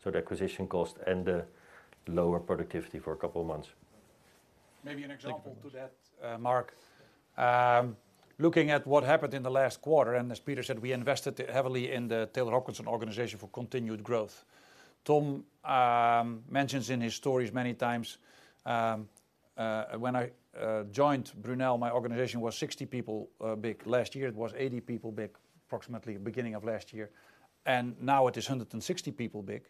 both, so the acquisition cost and the lower productivity for a couple of months. Maybe an example to that, Marc. Looking at what happened in the last quarter, and as Peter said, we invested heavily in the Taylor Hopkinson organization for continued growth. Tom mentions in his stories many times, when I joined Brunel, my organization was 60 people big. Last year, it was 80 people big, approximately beginning of last year, and now it is 160 people big.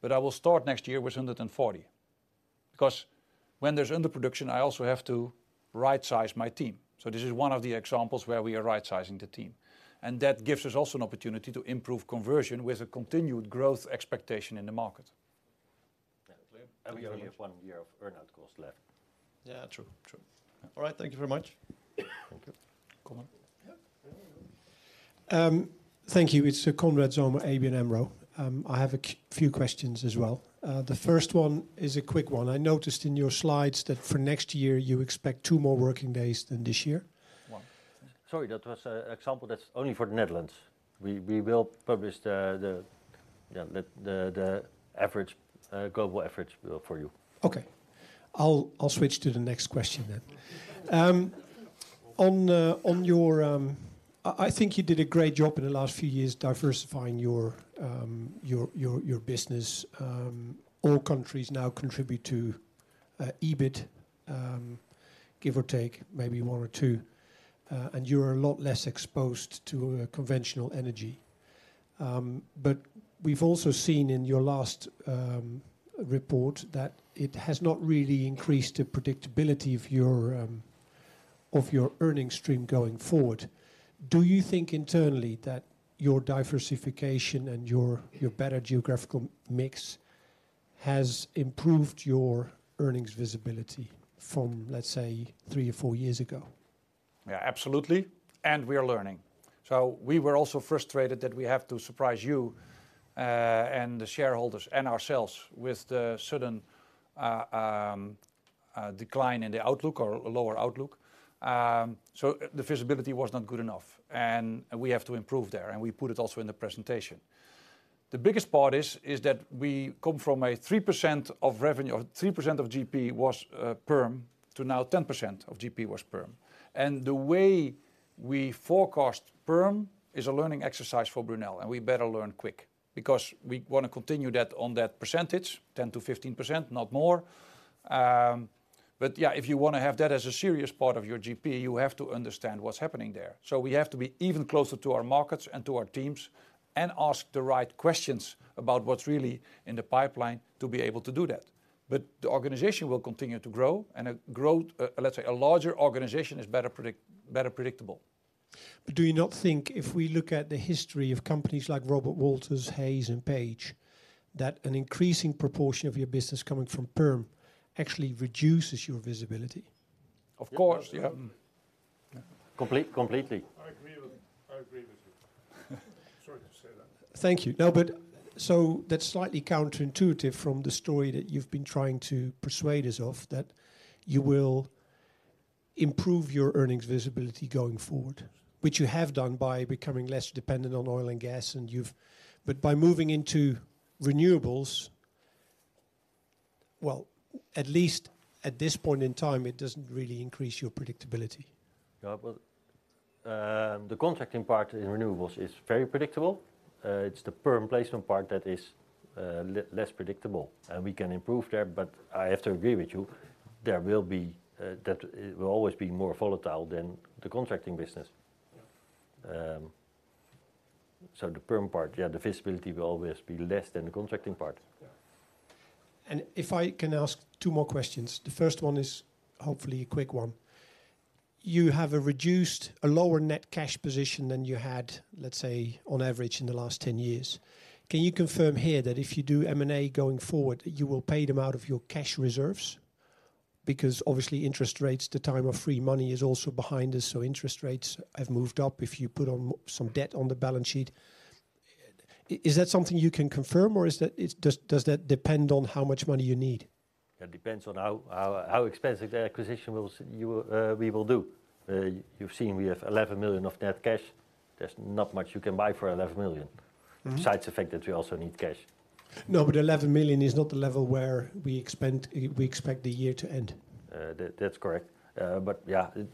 But I will start next year with 140, because when there's underproduction, I also have to rightsize my team. So this is one of the examples where we are rightsizing the team, and that gives us also an opportunity to improve conversion with a continued growth expectation in the market. Yeah, and we only have one year of earn-out costs left. Yeah, true, true. All right. Thank you very much. Thank you. Konrad. Yeah. Thank you. It's Konrad Zomer, ABN AMRO. I have a few questions as well. The first one is a quick one. I noticed in your slides that for next year, you expect two more working days than this year. One. Sorry, that was an example that's only for the Netherlands. We will publish the, yeah, the average global average we have for you. Okay. I'll switch to the next question then. On your... I think you did a great job in the last few years diversifying your business. All countries now contribute to EBIT, give or take, maybe one or two, and you're a lot less exposed to Conventional Energy. But we've also seen in your last report that it has not really increased the predictability of your earnings stream going forward. Do you think internally that your diversification and your better geographical mix has improved your earnings visibility from, let's say, three or four years ago? Yeah, absolutely, and we are learning. So we were also frustrated that we have to surprise you, and the shareholders and ourselves with the sudden, decline in the outlook or a lower outlook. So the visibility was not good enough, and we have to improve there, and we put it also in the presentation. The biggest part is that we come from a 3% of revenue, or 3% of GP was, perm, to now 10% of GP was perm. And the way we forecast perm is a learning exercise for Brunel, and we better learn quick because we want to continue that on that percentage, 10%-15%, not more. But yeah, if you want to have that as a serious part of your GP, you have to understand what's happening there. So we have to be even closer to our markets and to our teams and ask the right questions about what's really in the pipeline to be able to do that. But the organization will continue to grow, and a growth, let's say, a larger organization is better predictable. But do you not think if we look at the history of companies like Robert Walters, Hays, and Page, that an increasing proportion of your business coming from perm actually reduces your visibility? Of course. Yeah. Complete- completely. I agree with you. Sorry to say that. Thank you. No, but so that's slightly counterintuitive from the story that you've been trying to persuade us of, that you will improve your earnings visibility going forward, which you have done by becoming less dependent on Oil and Gas, and you've... But by moving into Renewables, well, at least at this point in time, it doesn't really increase your predictability. Yeah, but the contracting part in Renewables is very predictable. It's the perm placement part that is less predictable, and we can improve there. But I have to agree with you, there will be that it will always be more volatile than the contracting business. So the perm part, yeah, the visibility will always be less than the contracting part. Yeah. If I can ask two more questions, the first one is hopefully a quick one. You have a reduced, a lower net cash position than you had, let's say, on average in the last 10 years. Can you confirm here that if you do M&A going forward, you will pay them out of your cash reserves? Because obviously, interest rates, the time of free money is also behind us, so interest rates have moved up if you put on some debt on the balance sheet. I, is that something you can confirm, or is that, it, does that depend on how much money you need? It depends on how expensive the acquisition will you we will do. You've seen we have 11 million of net cash. There's not much you can buy for 11 million. Mm-hmm Besides the fact that we also need cash. No, but 11 million is not the level where we expect. We expect the year to end. That, that's correct. But yeah, it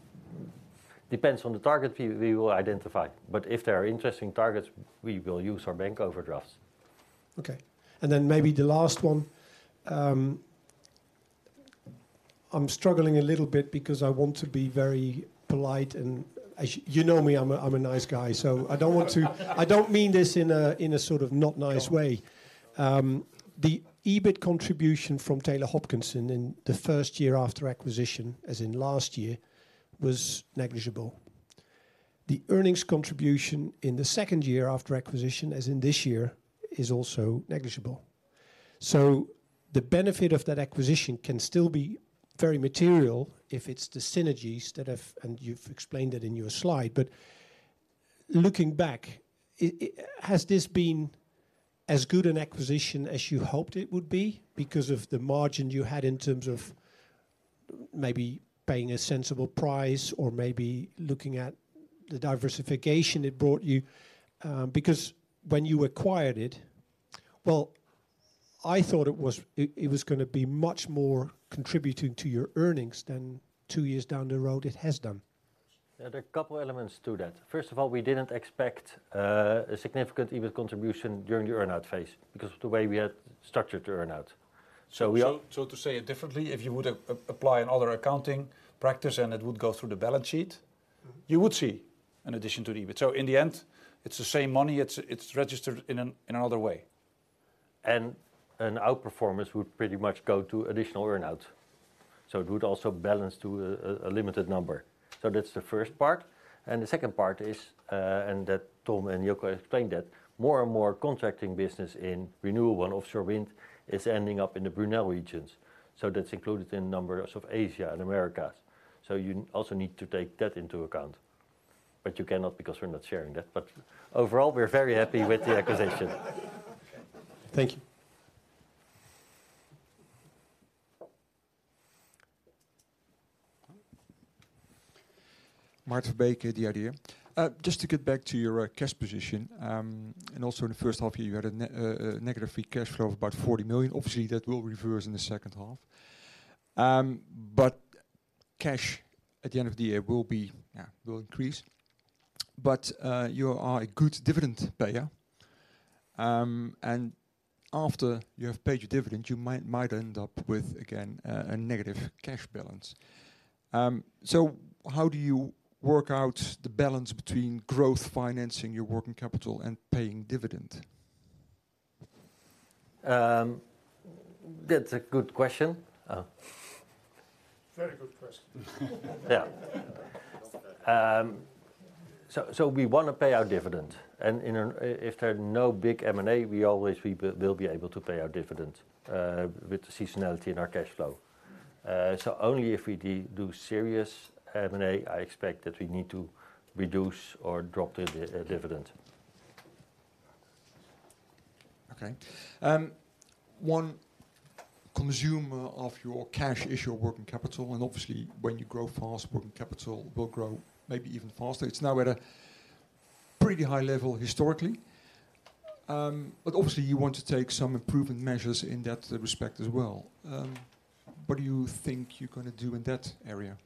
depends on the target we will identify, but if there are interesting targets, we will use our bank overdrafts. Okay, and then maybe the last one. I'm struggling a little bit because I want to be very polite, and as you know me, I'm a nice guy, so I don't want to- I don't mean this in a sort of not nice way. No. The EBIT contribution from Taylor Hopkinson in the first year after acquisition, as in last year, was negligible. The earnings contribution in the second year after acquisition, as in this year, is also negligible. So the benefit of that acquisition can still be very material if it's the synergies that have, and you've explained it in your slide. But looking back, has this been as good an acquisition as you hoped it would be? Because of the margin you had in terms of maybe paying a sensible price or maybe looking at the diversification it brought you. Because when you acquired it, well, I thought it was; it was gonna be much more contributing to your earnings than two years down the road it has done. There are a couple elements to that. First of all, we didn't expect a significant EBIT contribution during the earn-out phase because of the way we had structured the earn-out. So we are- So, to say it differently, if you would apply another accounting practice and it would go through the balance sheet- Mm-hmm You would see an addition to the EBIT. So in the end, it's the same money, it's registered in another way. And an outperformance would pretty much go to additional earn-out, so it would also balance to a limited number. So that's the first part. And the second part is, and that Tom and Jilko explained that more and more contracting business in Renewable and offshore wind is ending up in the Brunel regions. So that's included in the numbers of Asia and Americas. So you also need to take that into account, but you cannot because we're not sharing that. But overall, we're very happy with the acquisition. Thank you. Mart Verbeek, The Idea. Just to get back to your cash position, and also in the first half year, you had a negative free cash flow of about 40 million. Obviously, that will reverse in the second half. But cash at the end of the year will be, yeah, will increase. But you are a good dividend payer, and after you have paid your dividend, you might end up with, again, a negative cash balance. So how do you work out the balance between growth, financing your working capital, and paying dividend? That's a good question. Very good question. Yeah. So, we want to pay our dividend, and in an... if there are no big M&A, we always, we'll be able to pay our dividend with the seasonality in our cash flow. So only if we do serious M&A, I expect that we need to reduce or drop the dividend. Okay. One consumer of your cash issue, working capital, and obviously when you grow fast, working capital will grow maybe even faster. It's now at a pretty high level historically. But obviously you want to take some improvement measures in that respect as well. What do you think you're gonna do in that area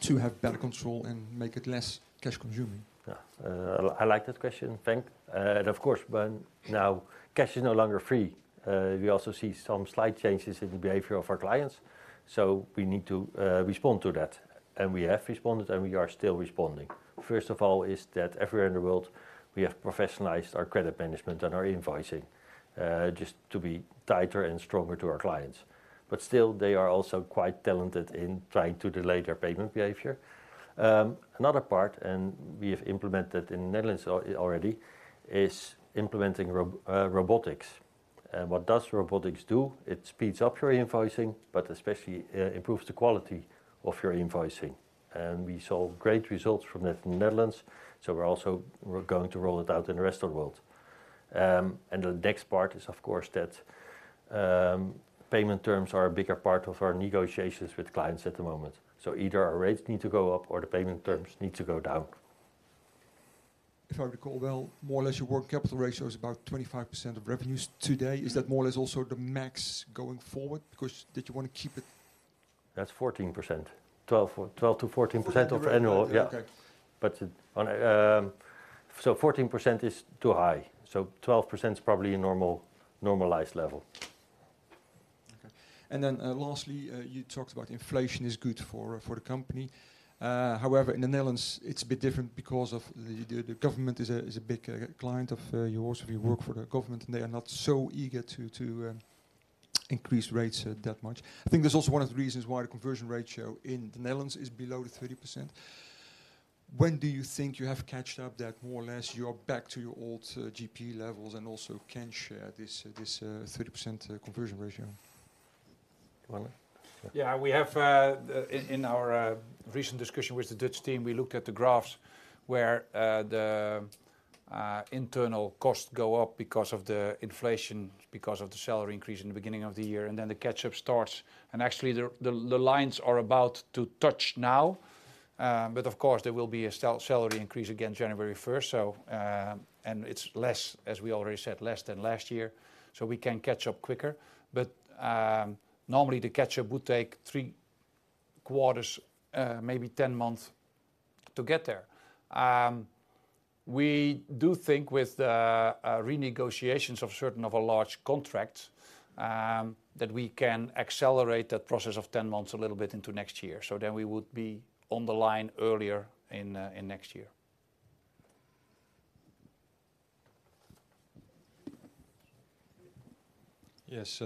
to have better control and make it less cash consuming? Yeah. I like that question, Mark. And of course, when now cash is no longer free, we also see some slight changes in the behavior of our clients, so we need to respond to that. And we have responded, and we are still responding. First of all, is that everywhere in the world, we have professionalized our credit management and our invoicing, just to be tighter and stronger to our clients. But still, they are also quite talented in trying to delay their payment behavior. Another part, and we have implemented in the Netherlands already, is implementing robotics. And what does robotics do? It speeds up your invoicing, but especially improves the quality of your invoicing. And we saw great results from the Netherlands, so we're also... We're going to roll it out in the rest of the world. The next part is, of course, that payment terms are a bigger part of our negotiations with clients at the moment. So either our rates need to go up or the payment terms need to go down. If I recall well, more or less, your working capital ratio is about 25% of revenues today. Is that more or less also the max going forward? Because did you want to keep it- That's 14%. 12%-14% of annual- Okay. Yeah. But it... So 14% is too high, so 12% is probably a normal normalized level. Okay. And then, lastly, you talked about inflation is good for, for the company. However, in the Netherlands, it's a bit different because of the government is a big client of yours. We work for the government, and they are not so eager to increase rates that much. I think that's also one of the reasons why the conversion ratio in the Netherlands is below the 30%. When do you think you have caught up that, more or less, you are back to your old GP levels, and also can share this 30% conversion ratio? Yeah. We have, in our recent discussion with the Dutch team, we looked at the graphs where the internal costs go up because of the inflation, because of the salary increase in the beginning of the year, and then the catch-up starts. And actually, the lines are about to touch now. But of course, there will be a salary increase again, January first. So, and it's less, as we already said, less than last year, so we can catch up quicker. But, normally, the catch-up would take three quarters, maybe 10 months to get there. We do think with the renegotiations of certain of our large contracts, that we can accelerate that process of 10 months a little bit into next year. So then we would be on the line earlier in next year. Yes,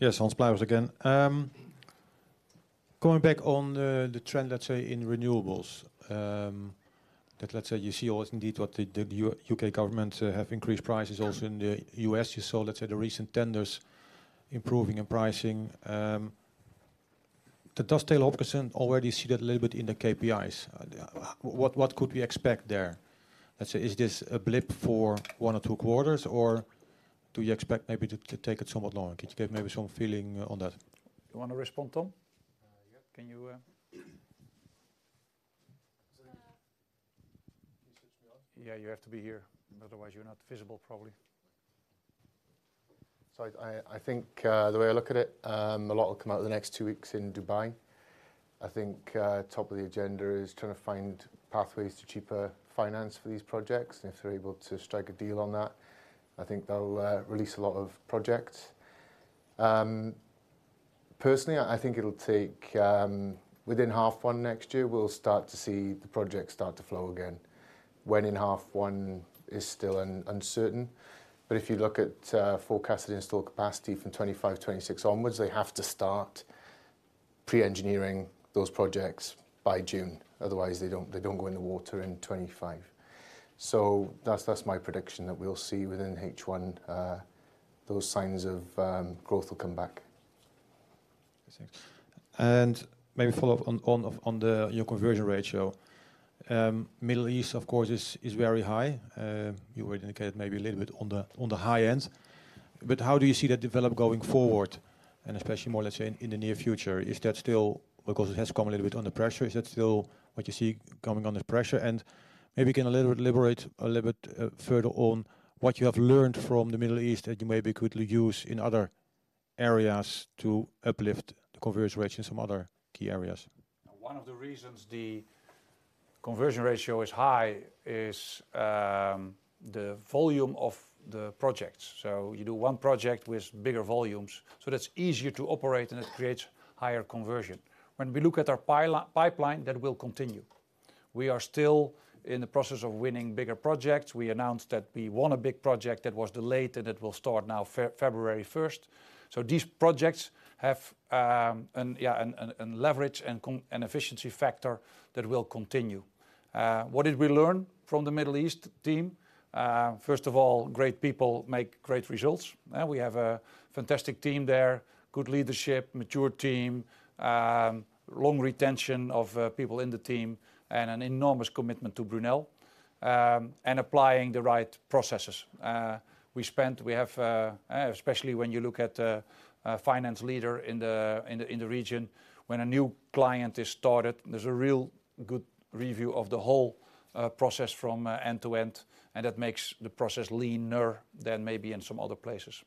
yes, Hans Pluijgers again. Going back on the, the trend, let's say, in Renewables, that let's say, you see also indeed, what the, the U.K. government, have increased prices also in the U.S. You saw, let's say, the recent tenders improving and pricing. But does Taylor Hopkinson already see that a little bit in the KPIs? What, what could we expect there? Let's say, is this a blip for one or two quarters, or do you expect maybe it to take it somewhat longer? Could you give maybe some feeling on that? You want to respond, Tom? Uh, yeah. Can you... Uh, Yeah, you have to be here, otherwise you're not visible, probably. So I think the way I look at it, a lot will come out in the next two weeks in Dubai. I think top of the agenda is trying to find pathways to cheaper finance for these projects, and if we're able to strike a deal on that, I think that'll release a lot of projects. Personally, I think it'll take within half one next year, we'll start to see the projects start to flow again. When in half one is still uncertain, but if you look at forecasted install capacity from 2025, 2026 onwards, they have to start pre-engineering those projects by June. Otherwise, they don't go in the water in 2025. So that's my prediction, that we'll see within H1 those signs of growth will come back. And maybe follow up on your conversion ratio. Middle East, of course, is very high. You already indicated maybe a little bit on the high end, but how do you see that develop going forward, and especially more, let's say, in the near future? Is that still... because it has come a little bit under pressure, is that still what you see coming under pressure? And maybe you can a little bit elaborate a little bit further on what you have learned from the Middle East that you maybe could use in other areas to uplift the conversion ratio in some other key areas. One of the reasons the conversion ratio is high is the volume of the projects. So you do one project with bigger volumes, so that's easier to operate, and it creates higher conversion. When we look at our pipeline, that will continue. We are still in the process of winning bigger projects. We announced that we won a big project that was delayed, and it will start now, February first. So these projects have and leverage and efficiency factor that will continue. What did we learn from the Middle East team? First of all, great people make great results. We have a fantastic team there, good leadership, mature team, long retention of people in the team, and an enormous commitment to Brunel and applying the right processes. Especially when you look at a finance leader in the region, when a new client is started, there's a real good review of the whole process from end to end, and that makes the process leaner than maybe in some other places.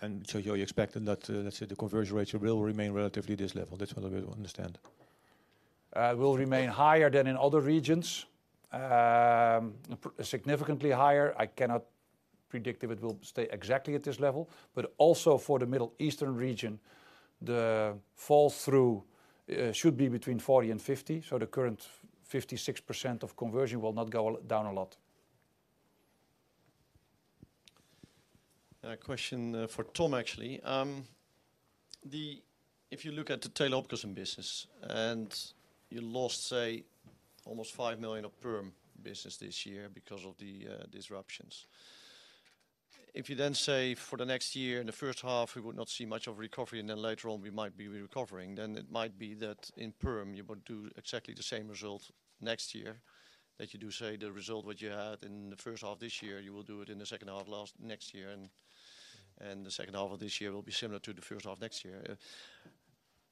And so you're expecting that, let's say, the conversion ratio will remain relatively this level? That's what I want to understand. It will remain higher than in other regions. Significantly higher. I cannot predict if it will stay exactly at this level, but also for the Middle Eastern region, the fall through should be between 40% and 50%. So the current 56% of conversion will not go a lot down. Question for Tom, actually. If you look at the tail optimism business, and you lost, say, almost 5 million of perm business this year because of the disruptions. If you then say, for the next year, in the first half, we would not see much of recovery, and then later on we might be recovering, then it might be that in perm, you would do exactly the same result next year. That you do say the result that you had in the first half of this year, you will do it in the second half last, next year, and the second half of this year will be similar to the first half next year.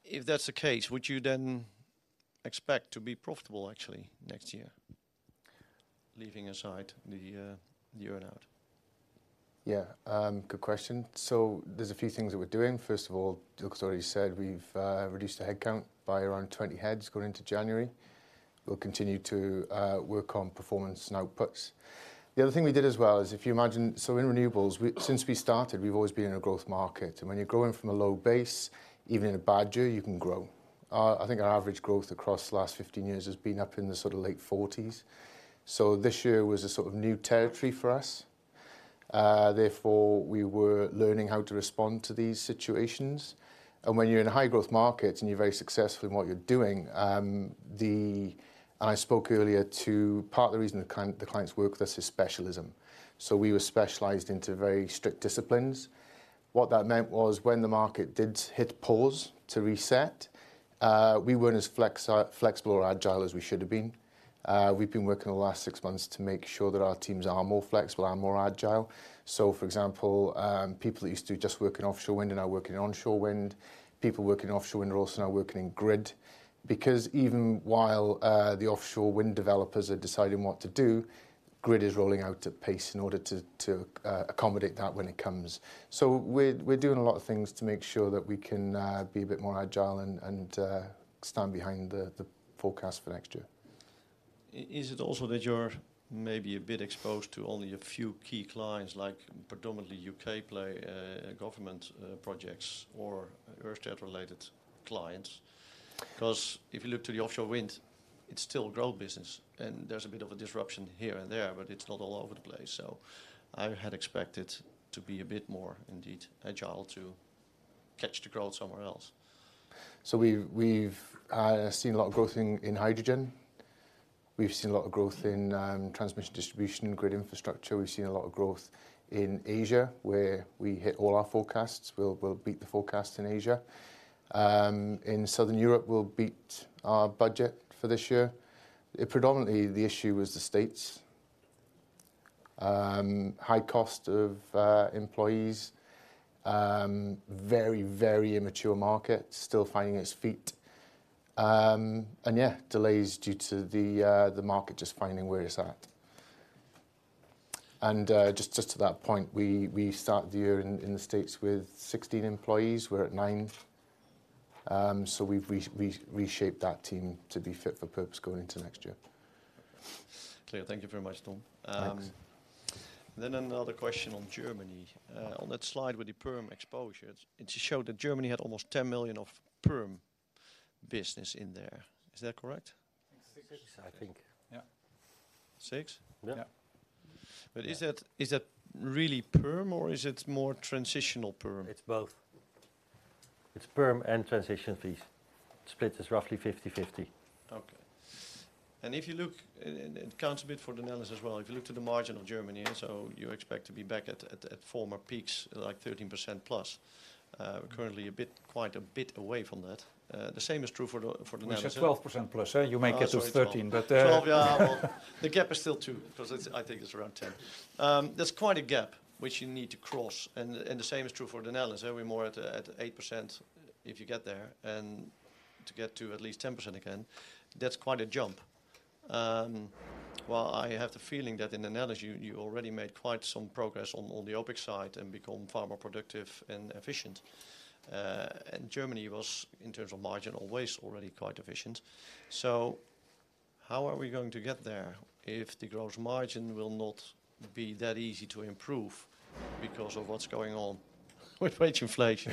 If that's the case, would you then expect to be profitable actually next year, leaving aside the earn-out? Yeah, good question. So there's a few things that we're doing. First of all, like I already said, we've reduced the headcount by around 20 heads going into January. We'll continue to work on performance and outputs. The other thing we did as well is, if you imagine... So in Renewables, since we started, we've always been in a growth market. And when you're growing from a low base, even in a bad year, you can grow. I think our average growth across the last 15 years has been up in the sort of late 40s. So this year was a sort of new territory for us. Therefore, we were learning how to respond to these situations. And when you're in high growth markets, and you're very successful in what you're doing, the... I spoke earlier to part of the reason the clients work with us is specialism. We were specialized into very strict disciplines. What that meant was when the market did hit pause to reset, we weren't as flexible or agile as we should have been. We've been working the last six months to make sure that our teams are more flexible and more agile. For example, people that used to just work in offshore wind are now working in onshore wind. People working in offshore wind are also now working in grid. Because even while the offshore wind developers are deciding what to do, grid is rolling out at pace in order to accommodate that when it comes. We're doing a lot of things to make sure that we can be a bit more agile and stand behind the forecast for next year. Is it also that you're maybe a bit exposed to only a few key clients, like predominantly U.K. play, government projects or Ørsted related clients? 'Cause if you look to the offshore wind, it's still growth business, and there's a bit of a disruption here and there, but it's not all over the place. So I had expected to be a bit more indeed, agile, to catch the growth somewhere else. So we've seen a lot of growth in hydrogen. We've seen a lot of growth in transmission, distribution and grid infrastructure. We've seen a lot of growth in Asia, where we hit all our forecasts. We'll beat the forecast in Asia. In Southern Europe, we'll beat our budget for this year. Predominantly, the issue was the States. High cost of employees. Very, very immature market, still finding its feet. And yeah, delays due to the market just finding where it's at. And just to that point, we started the year in the States with 16 employees. We're at 9. So we've reshaped that team to be fit for purpose going into next year. Clear. Thank you very much, Tom. Thanks. Then another question on Germany. Mm. On that slide with the perm exposure, it showed that Germany had almost 10 million of perm business in there. Is that correct? 6, I think. Yeah. Six? Yeah. Yeah. But is that, is that really perm or is it more transitional perm? It's both. It's perm and transition fees. Split is roughly 50/50. Okay. And if you look, and it counts a bit for the Netherlands as well. If you look to the margin of Germany, and so you expect to be back at, at former peaks, like 13%+. Currently a bit, quite a bit away from that. The same is true for the, for the Netherlands- We said 12%+, eh? Oh, sorry, 12%. You may get to 13%, but, Twelve, yeah, well, the gap is still two, 'cause I think it's around 10%. There's quite a gap which you need to cross, and the same is true for the Netherlands. Are we more at 8% if you get there, and to get to at least 10% again, that's quite a jump. Well, I have the feeling that in the Netherlands, you already made quite some progress on the OpEx side and become far more productive and efficient. And Germany was, in terms of margin, always already quite efficient. So how are we going to get there if the gross margin will not be that easy to improve because of what's going on with wage inflation?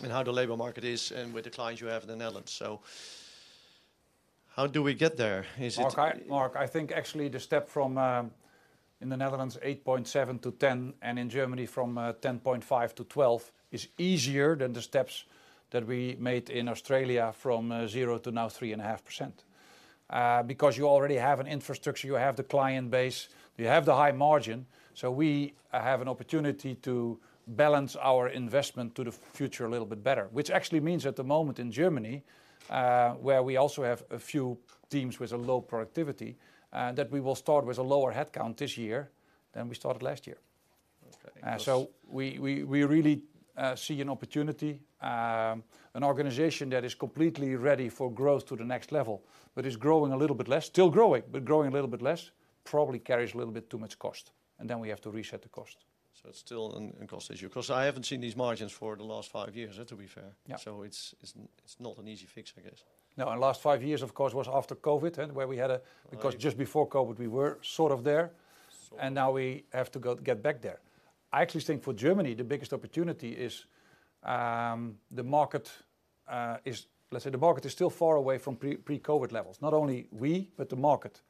And how the labor market is, and with the clients you have in the Netherlands. So how do we get there? Is it- Marc, I think actually the step from in the Netherlands, 8.7-%10%, and in Germany from 10.5%-12%, is easier than the steps that we made in Australia from zero to now 3.5% because you already have an infrastructure, you have the client base, you have the high margin. So we have an opportunity to balance our investment to the future a little bit better. Which actually means at the moment in Germany, where we also have a few teams with a low productivity, that we will start with a lower headcount this year than we started last year. Okay. So we really see an opportunity, an organization that is completely ready for growth to the next level, but is growing a little bit less. Still growing, but growing a little bit less, probably carries a little bit too much cost, and then we have to reset the cost. So it's still a cost issue? 'Cause I haven't seen these margins for the last five years, to be fair. Yeah. So it's not an easy fix, I guess. No, and last five years, of course, was after COVID, and where we had a- Right Because just before COVID, we were sort of there- Sort of And now we have to go, get back there. I actually think for Germany, the biggest opportunity is the market is. Let's say the market is still far away from pre-COVID levels. Not only we, but the market.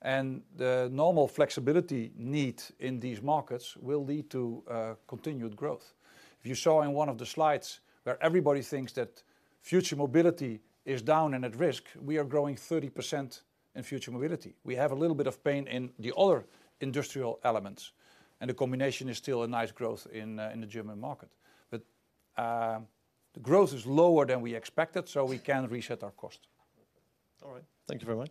And the normal flexibility need in these markets will lead to continued growth. If you saw in one of the slides, where everybody thinks that future mobility is down and at risk, we are growing 30% in future mobility. We have a little bit of pain in the other industrial elements, and the combination is still a nice growth in the German market. But the growth is lower than we expected, so we can reset our cost. All right. Thank you very much.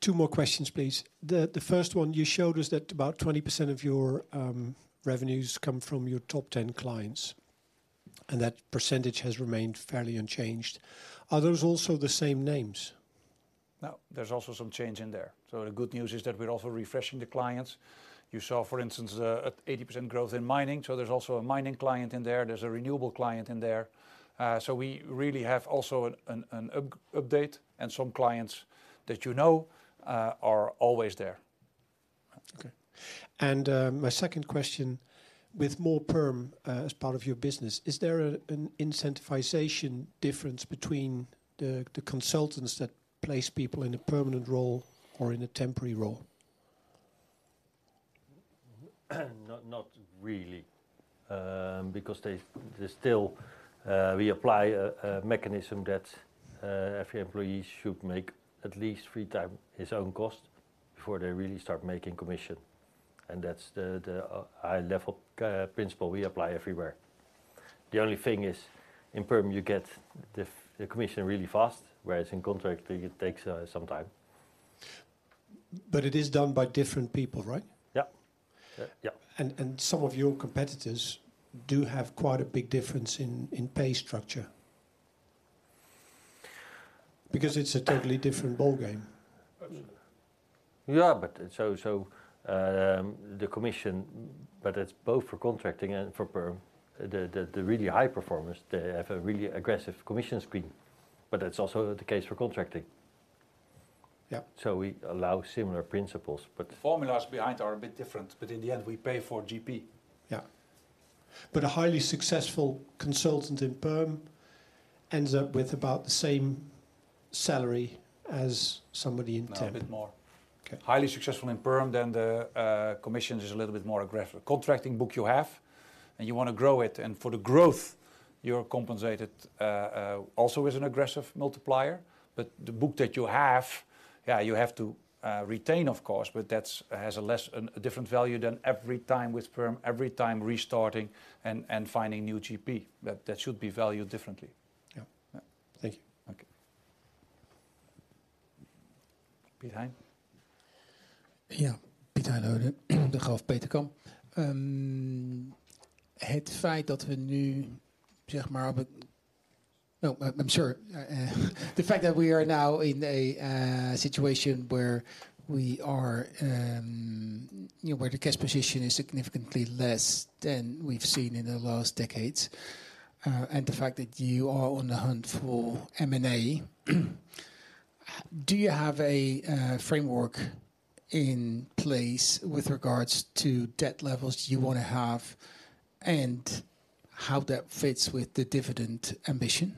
Two more questions, please. The first one, you showed us that about 20% of your revenues come from your top 10 clients, and that percentage has remained fairly unchanged. Are those also the same names? No, there's also some change in there. So the good news is that we're also refreshing the clients. You saw, for instance, 80% growth in mining, so there's also a mining client in there, there's a Renewable client in there. So we really have also an update, and some clients that you know are always there. Okay. And, my second question: with more perm as part of your business, is there a an incentivization difference between the the consultants that place people in a permanent role or in a temporary role? Not really, because they still apply a mechanism that every employee should make at least three times his own cost before they really start making commission, and that's the high-level principle we apply everywhere. The only thing is, in perm, you get the commission really fast, whereas in contract, it takes some time. It is done by different people, right? Yeah. Yeah, yeah. Some of your competitors do have quite a big difference in pay structure. Because it's a totally different ballgame. Absolutely. Yeah, but the commission, but it's both for contracting and for perm. The really high performers, they have a really aggressive commission scheme, but that's also the case for contracting. Yeah. We allow similar principles, but- The formulas behind are a bit different, but in the end, we pay for GP. Yeah. But a highly successful consultant in perm ends up with about the same salary as somebody in temp? No, a bit more. Okay. Highly successful in perm, then the commissions is a little bit more aggressive. Contracting book you have, and you want to grow it, and for the growth, you are compensated also with an aggressive multiplier. But the book that you have, yeah, you have to retain, of course, but that's has a less, an different value than every time with perm, every time restarting and finding new GP. But that should be valued differently. Yeah. Yeah. Thank you. Okay. Pieter Hein? Yeah. Pieter Hein, Degroof Petercam. No, I'm sure, the fact that we are now in a situation where we are, you know, where the cash position is significantly less than we've seen in the last decades, and the fact that you are on the hunt for M&A, do you have a framework in place with regards to debt levels you want to have, and how that fits with the dividend ambition?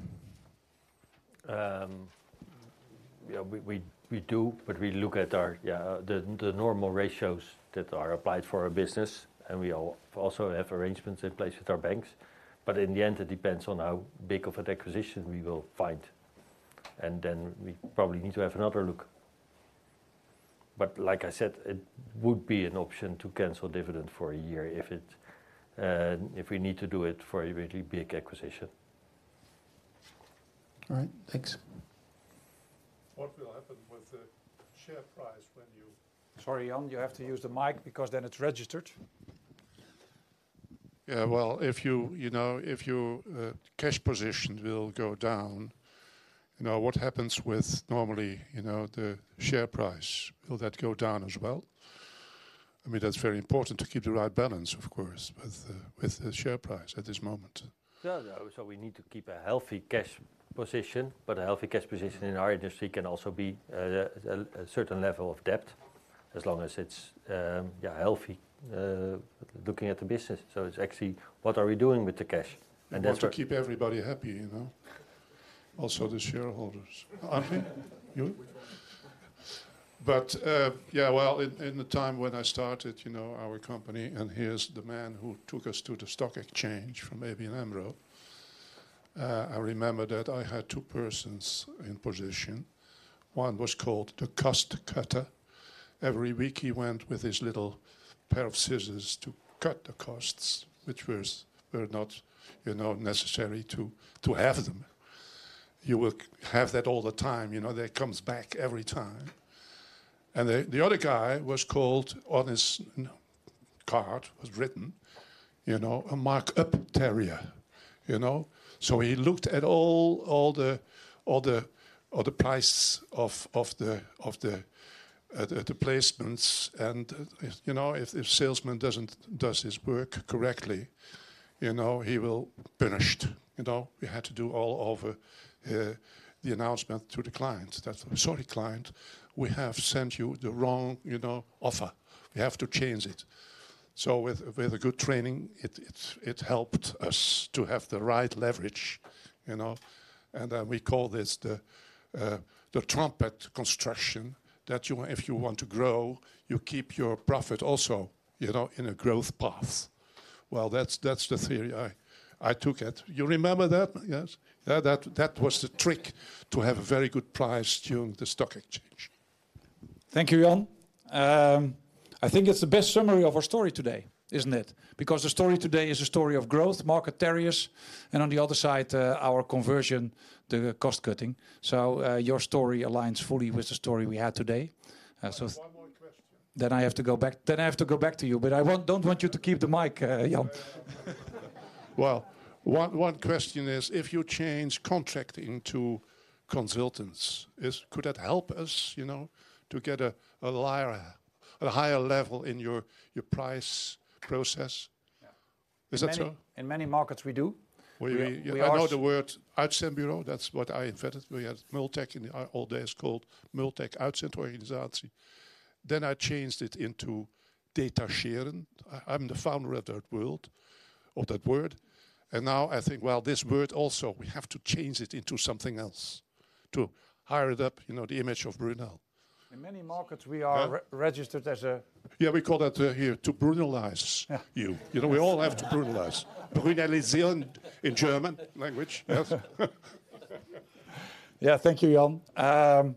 Yeah, we do, but we look at our yeah, the normal ratios that are applied for our business, and we also have arrangements in place with our banks. But in the end, it depends on how big of an acquisition we will find, and then we probably need to have another look. But like I said, it would be an option to cancel dividend for a year if it, if we need to do it for a really big acquisition. All right, thanks. What will happen with the share price when you- Sorry, Jan, you have to use the mic because then it's registered. Yeah, well, if you, you know, if your cash position will go down, you know, what happens with normally, you know, the share price? Will that go down as well? I mean, that's very important to keep the right balance, of course, with the, with the share price at this moment. Yeah, yeah. So we need to keep a healthy cash position, but a healthy cash position in our industry can also be a certain level of debt, as long as it's yeah, healthy, looking at the business. So it's actually, what are we doing with the cash? And that's- You want to keep everybody happy, you know? Also the shareholders. Aren't we? You?... But, yeah, well, in the time when I started, you know, our company, and here's the man who took us to the stock exchange from ABN AMRO. I remember that I had two persons in position. One was called the cost cutter. Every week, he went with his little pair of scissors to cut the costs, which were not, you know, necessary to have them. You will have that all the time, you know, that comes back every time. And the other guy was called, on his, you know, card, was written, you know, a mark-up terrier. You know? So he looked at all the prices of the at the placements, and, you know, if salesman doesn't do his work correctly, you know, he will punished. You know, we had to do all over the announcement to the client that, "Sorry, client, we have sent you the wrong, you know, offer. We have to change it." So with a good training, it helped us to have the right leverage, you know. And we call this the trumpet construction, that you if you want to grow, you keep your profit also, you know, in a growth path. Well, that's the theory I took it. You remember that? Yes. Yeah, that was the trick to have a very good price during the stock exchange. Thank you, Jan. I think it's the best summary of our story today, isn't it? Because the story today is a story of growth, market terriers, and on the other side, our conversion to cost cutting. So, your story aligns fully with the story we had today. So- One more question. Then I have to go back, then I have to go back to you, but I want, don't want you to keep the mic, Jan. Well, one question is, if you change contracting to consultants, could that help us, you know, to get a higher level in your price process? Yeah. Is that so? In many markets, we do. Ours- I know the word uitzendbureau. That's what I invented. We had Multec in the old days, called Multec Uitzendorganisatie. Then I changed it into detacheren. I'm the founder of that world, or that word, and now I think, well, this word also, we have to change it into something else to hire it up, you know, the image of Brunel. In many markets, we are- Huh?... registered as Yeah, we call that, here, to Brunelize- Yeah... you. You know, we all have to Brunelize. Brunelization in German language. Yes. Yeah. Thank you, Jan.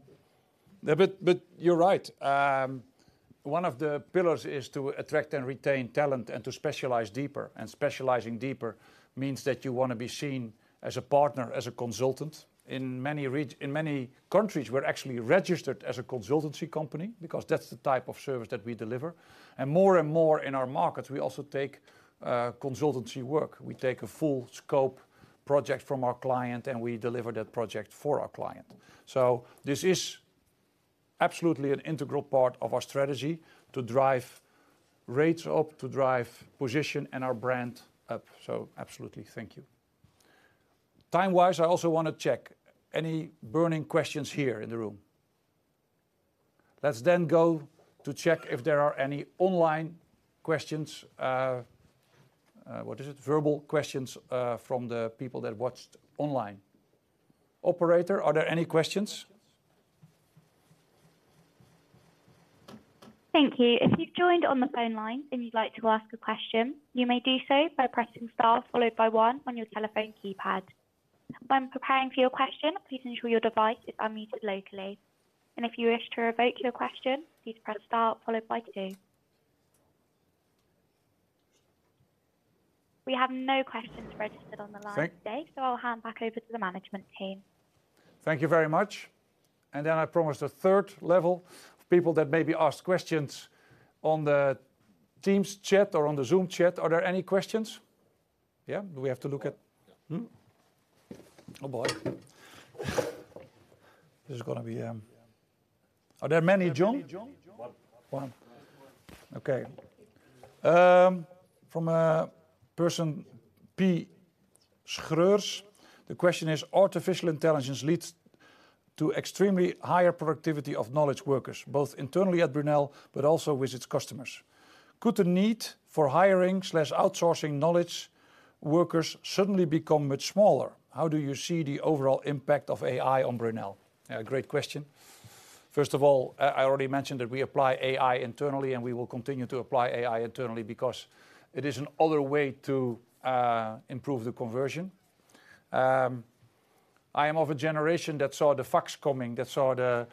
But, but you're right. One of the pillars is to attract and retain talent and to specialize deeper, and specializing deeper means that you wanna be seen as a partner, as a consultant. In many countries, we're actually registered as a consultancy company because that's the type of service that we deliver. And more and more in our markets, we also take consultancy work. We take a full scope project from our client, and we deliver that project for our client. So this is absolutely an integral part of our strategy to drive rates up, to drive position and our brand up, so absolutely. Thank you. Time-wise, I also want to check, any burning questions here in the room? Let's then go to check if there are any online questions. What is it? Verbal questions from the people that watched online. Operator, are there any questions? Thank you. If you've joined on the phone line and you'd like to ask a question, you may do so by pressing Star, followed by One on your telephone keypad. When preparing for your question, please ensure your device is unmuted locally. And if you wish to revoke your question, please press star followed by two. We have no questions registered on the line today, so I'll hand back over to the management team. Thank you very much. Then I promised a third level of people that maybe asked questions on the Teams chat or on the Zoom chat. Are there any questions? Yeah, we have to look at... Yeah. Hmm. Oh, boy. This is gonna be... Are there many, Jan? One. One. Okay, from person [P. Schreurs], the question is: Artificial intelligence leads to extremely higher productivity of knowledge workers, both internally at Brunel, but also with its customers. Could the need for hiring/outsourcing knowledge workers suddenly become much smaller? How do you see the overall impact of AI on Brunel? Great question. First of all, I already mentioned that we apply AI internally, and we will continue to apply AI internally because it is another way to improve the conversion. I am of a generation that saw the fax coming, that saw the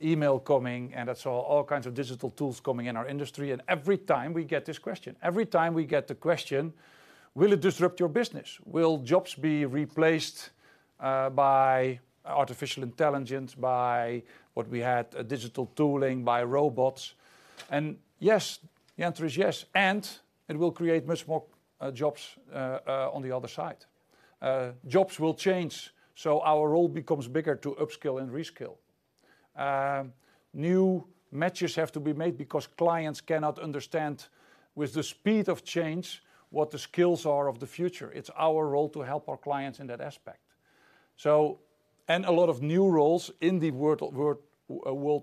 email coming, and that saw all kinds of digital tools coming in our industry. And every time we get this question, every time we get the question: Will it disrupt your business? Will jobs be replaced by artificial intelligence, by what we had, digital tooling, by robots? And yes, the answer is yes, and it will create much more jobs on the other side. Jobs will change, so our role becomes bigger to upskill and reskill. New matches have to be made because clients cannot understand, with the speed of change, what the skills are of the future. It's our role to help our clients in that aspect. So, a lot of new roles in the world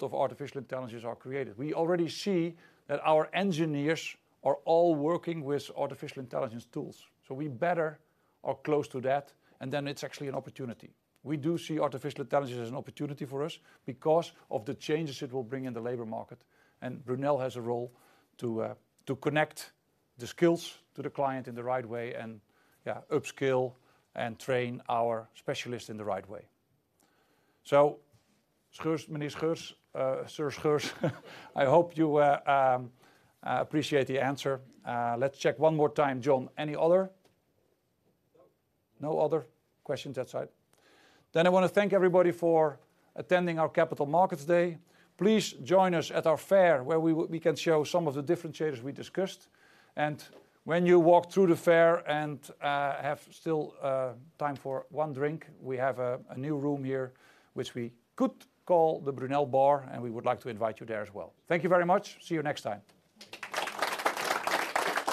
of artificial intelligence are created. We already see that our engineers are all working with artificial intelligence tools, so we better are close to that, and then it's actually an opportunity. We do see artificial intelligence as an opportunity for us because of the changes it will bring in the labor market, and Brunel has a role to connect the skills to the client in the right way and, yeah, upskill and train our specialists in the right way. So [Schreurs], Ms [Schreurs], Sir [Schreurs] I hope you appreciate the answer. Let's check one more time, Jan. Any other? No other questions that side. Then I want to thank everybody for attending our Capital Markets Day. Please join us at our fair, where we can show some of the differentiators we discussed. When you walk through the fair and have still time for one drink, we have a new room here, which we could call the Brunel Bar, and we would like to invite you there as well. Thank you very much. See you next time.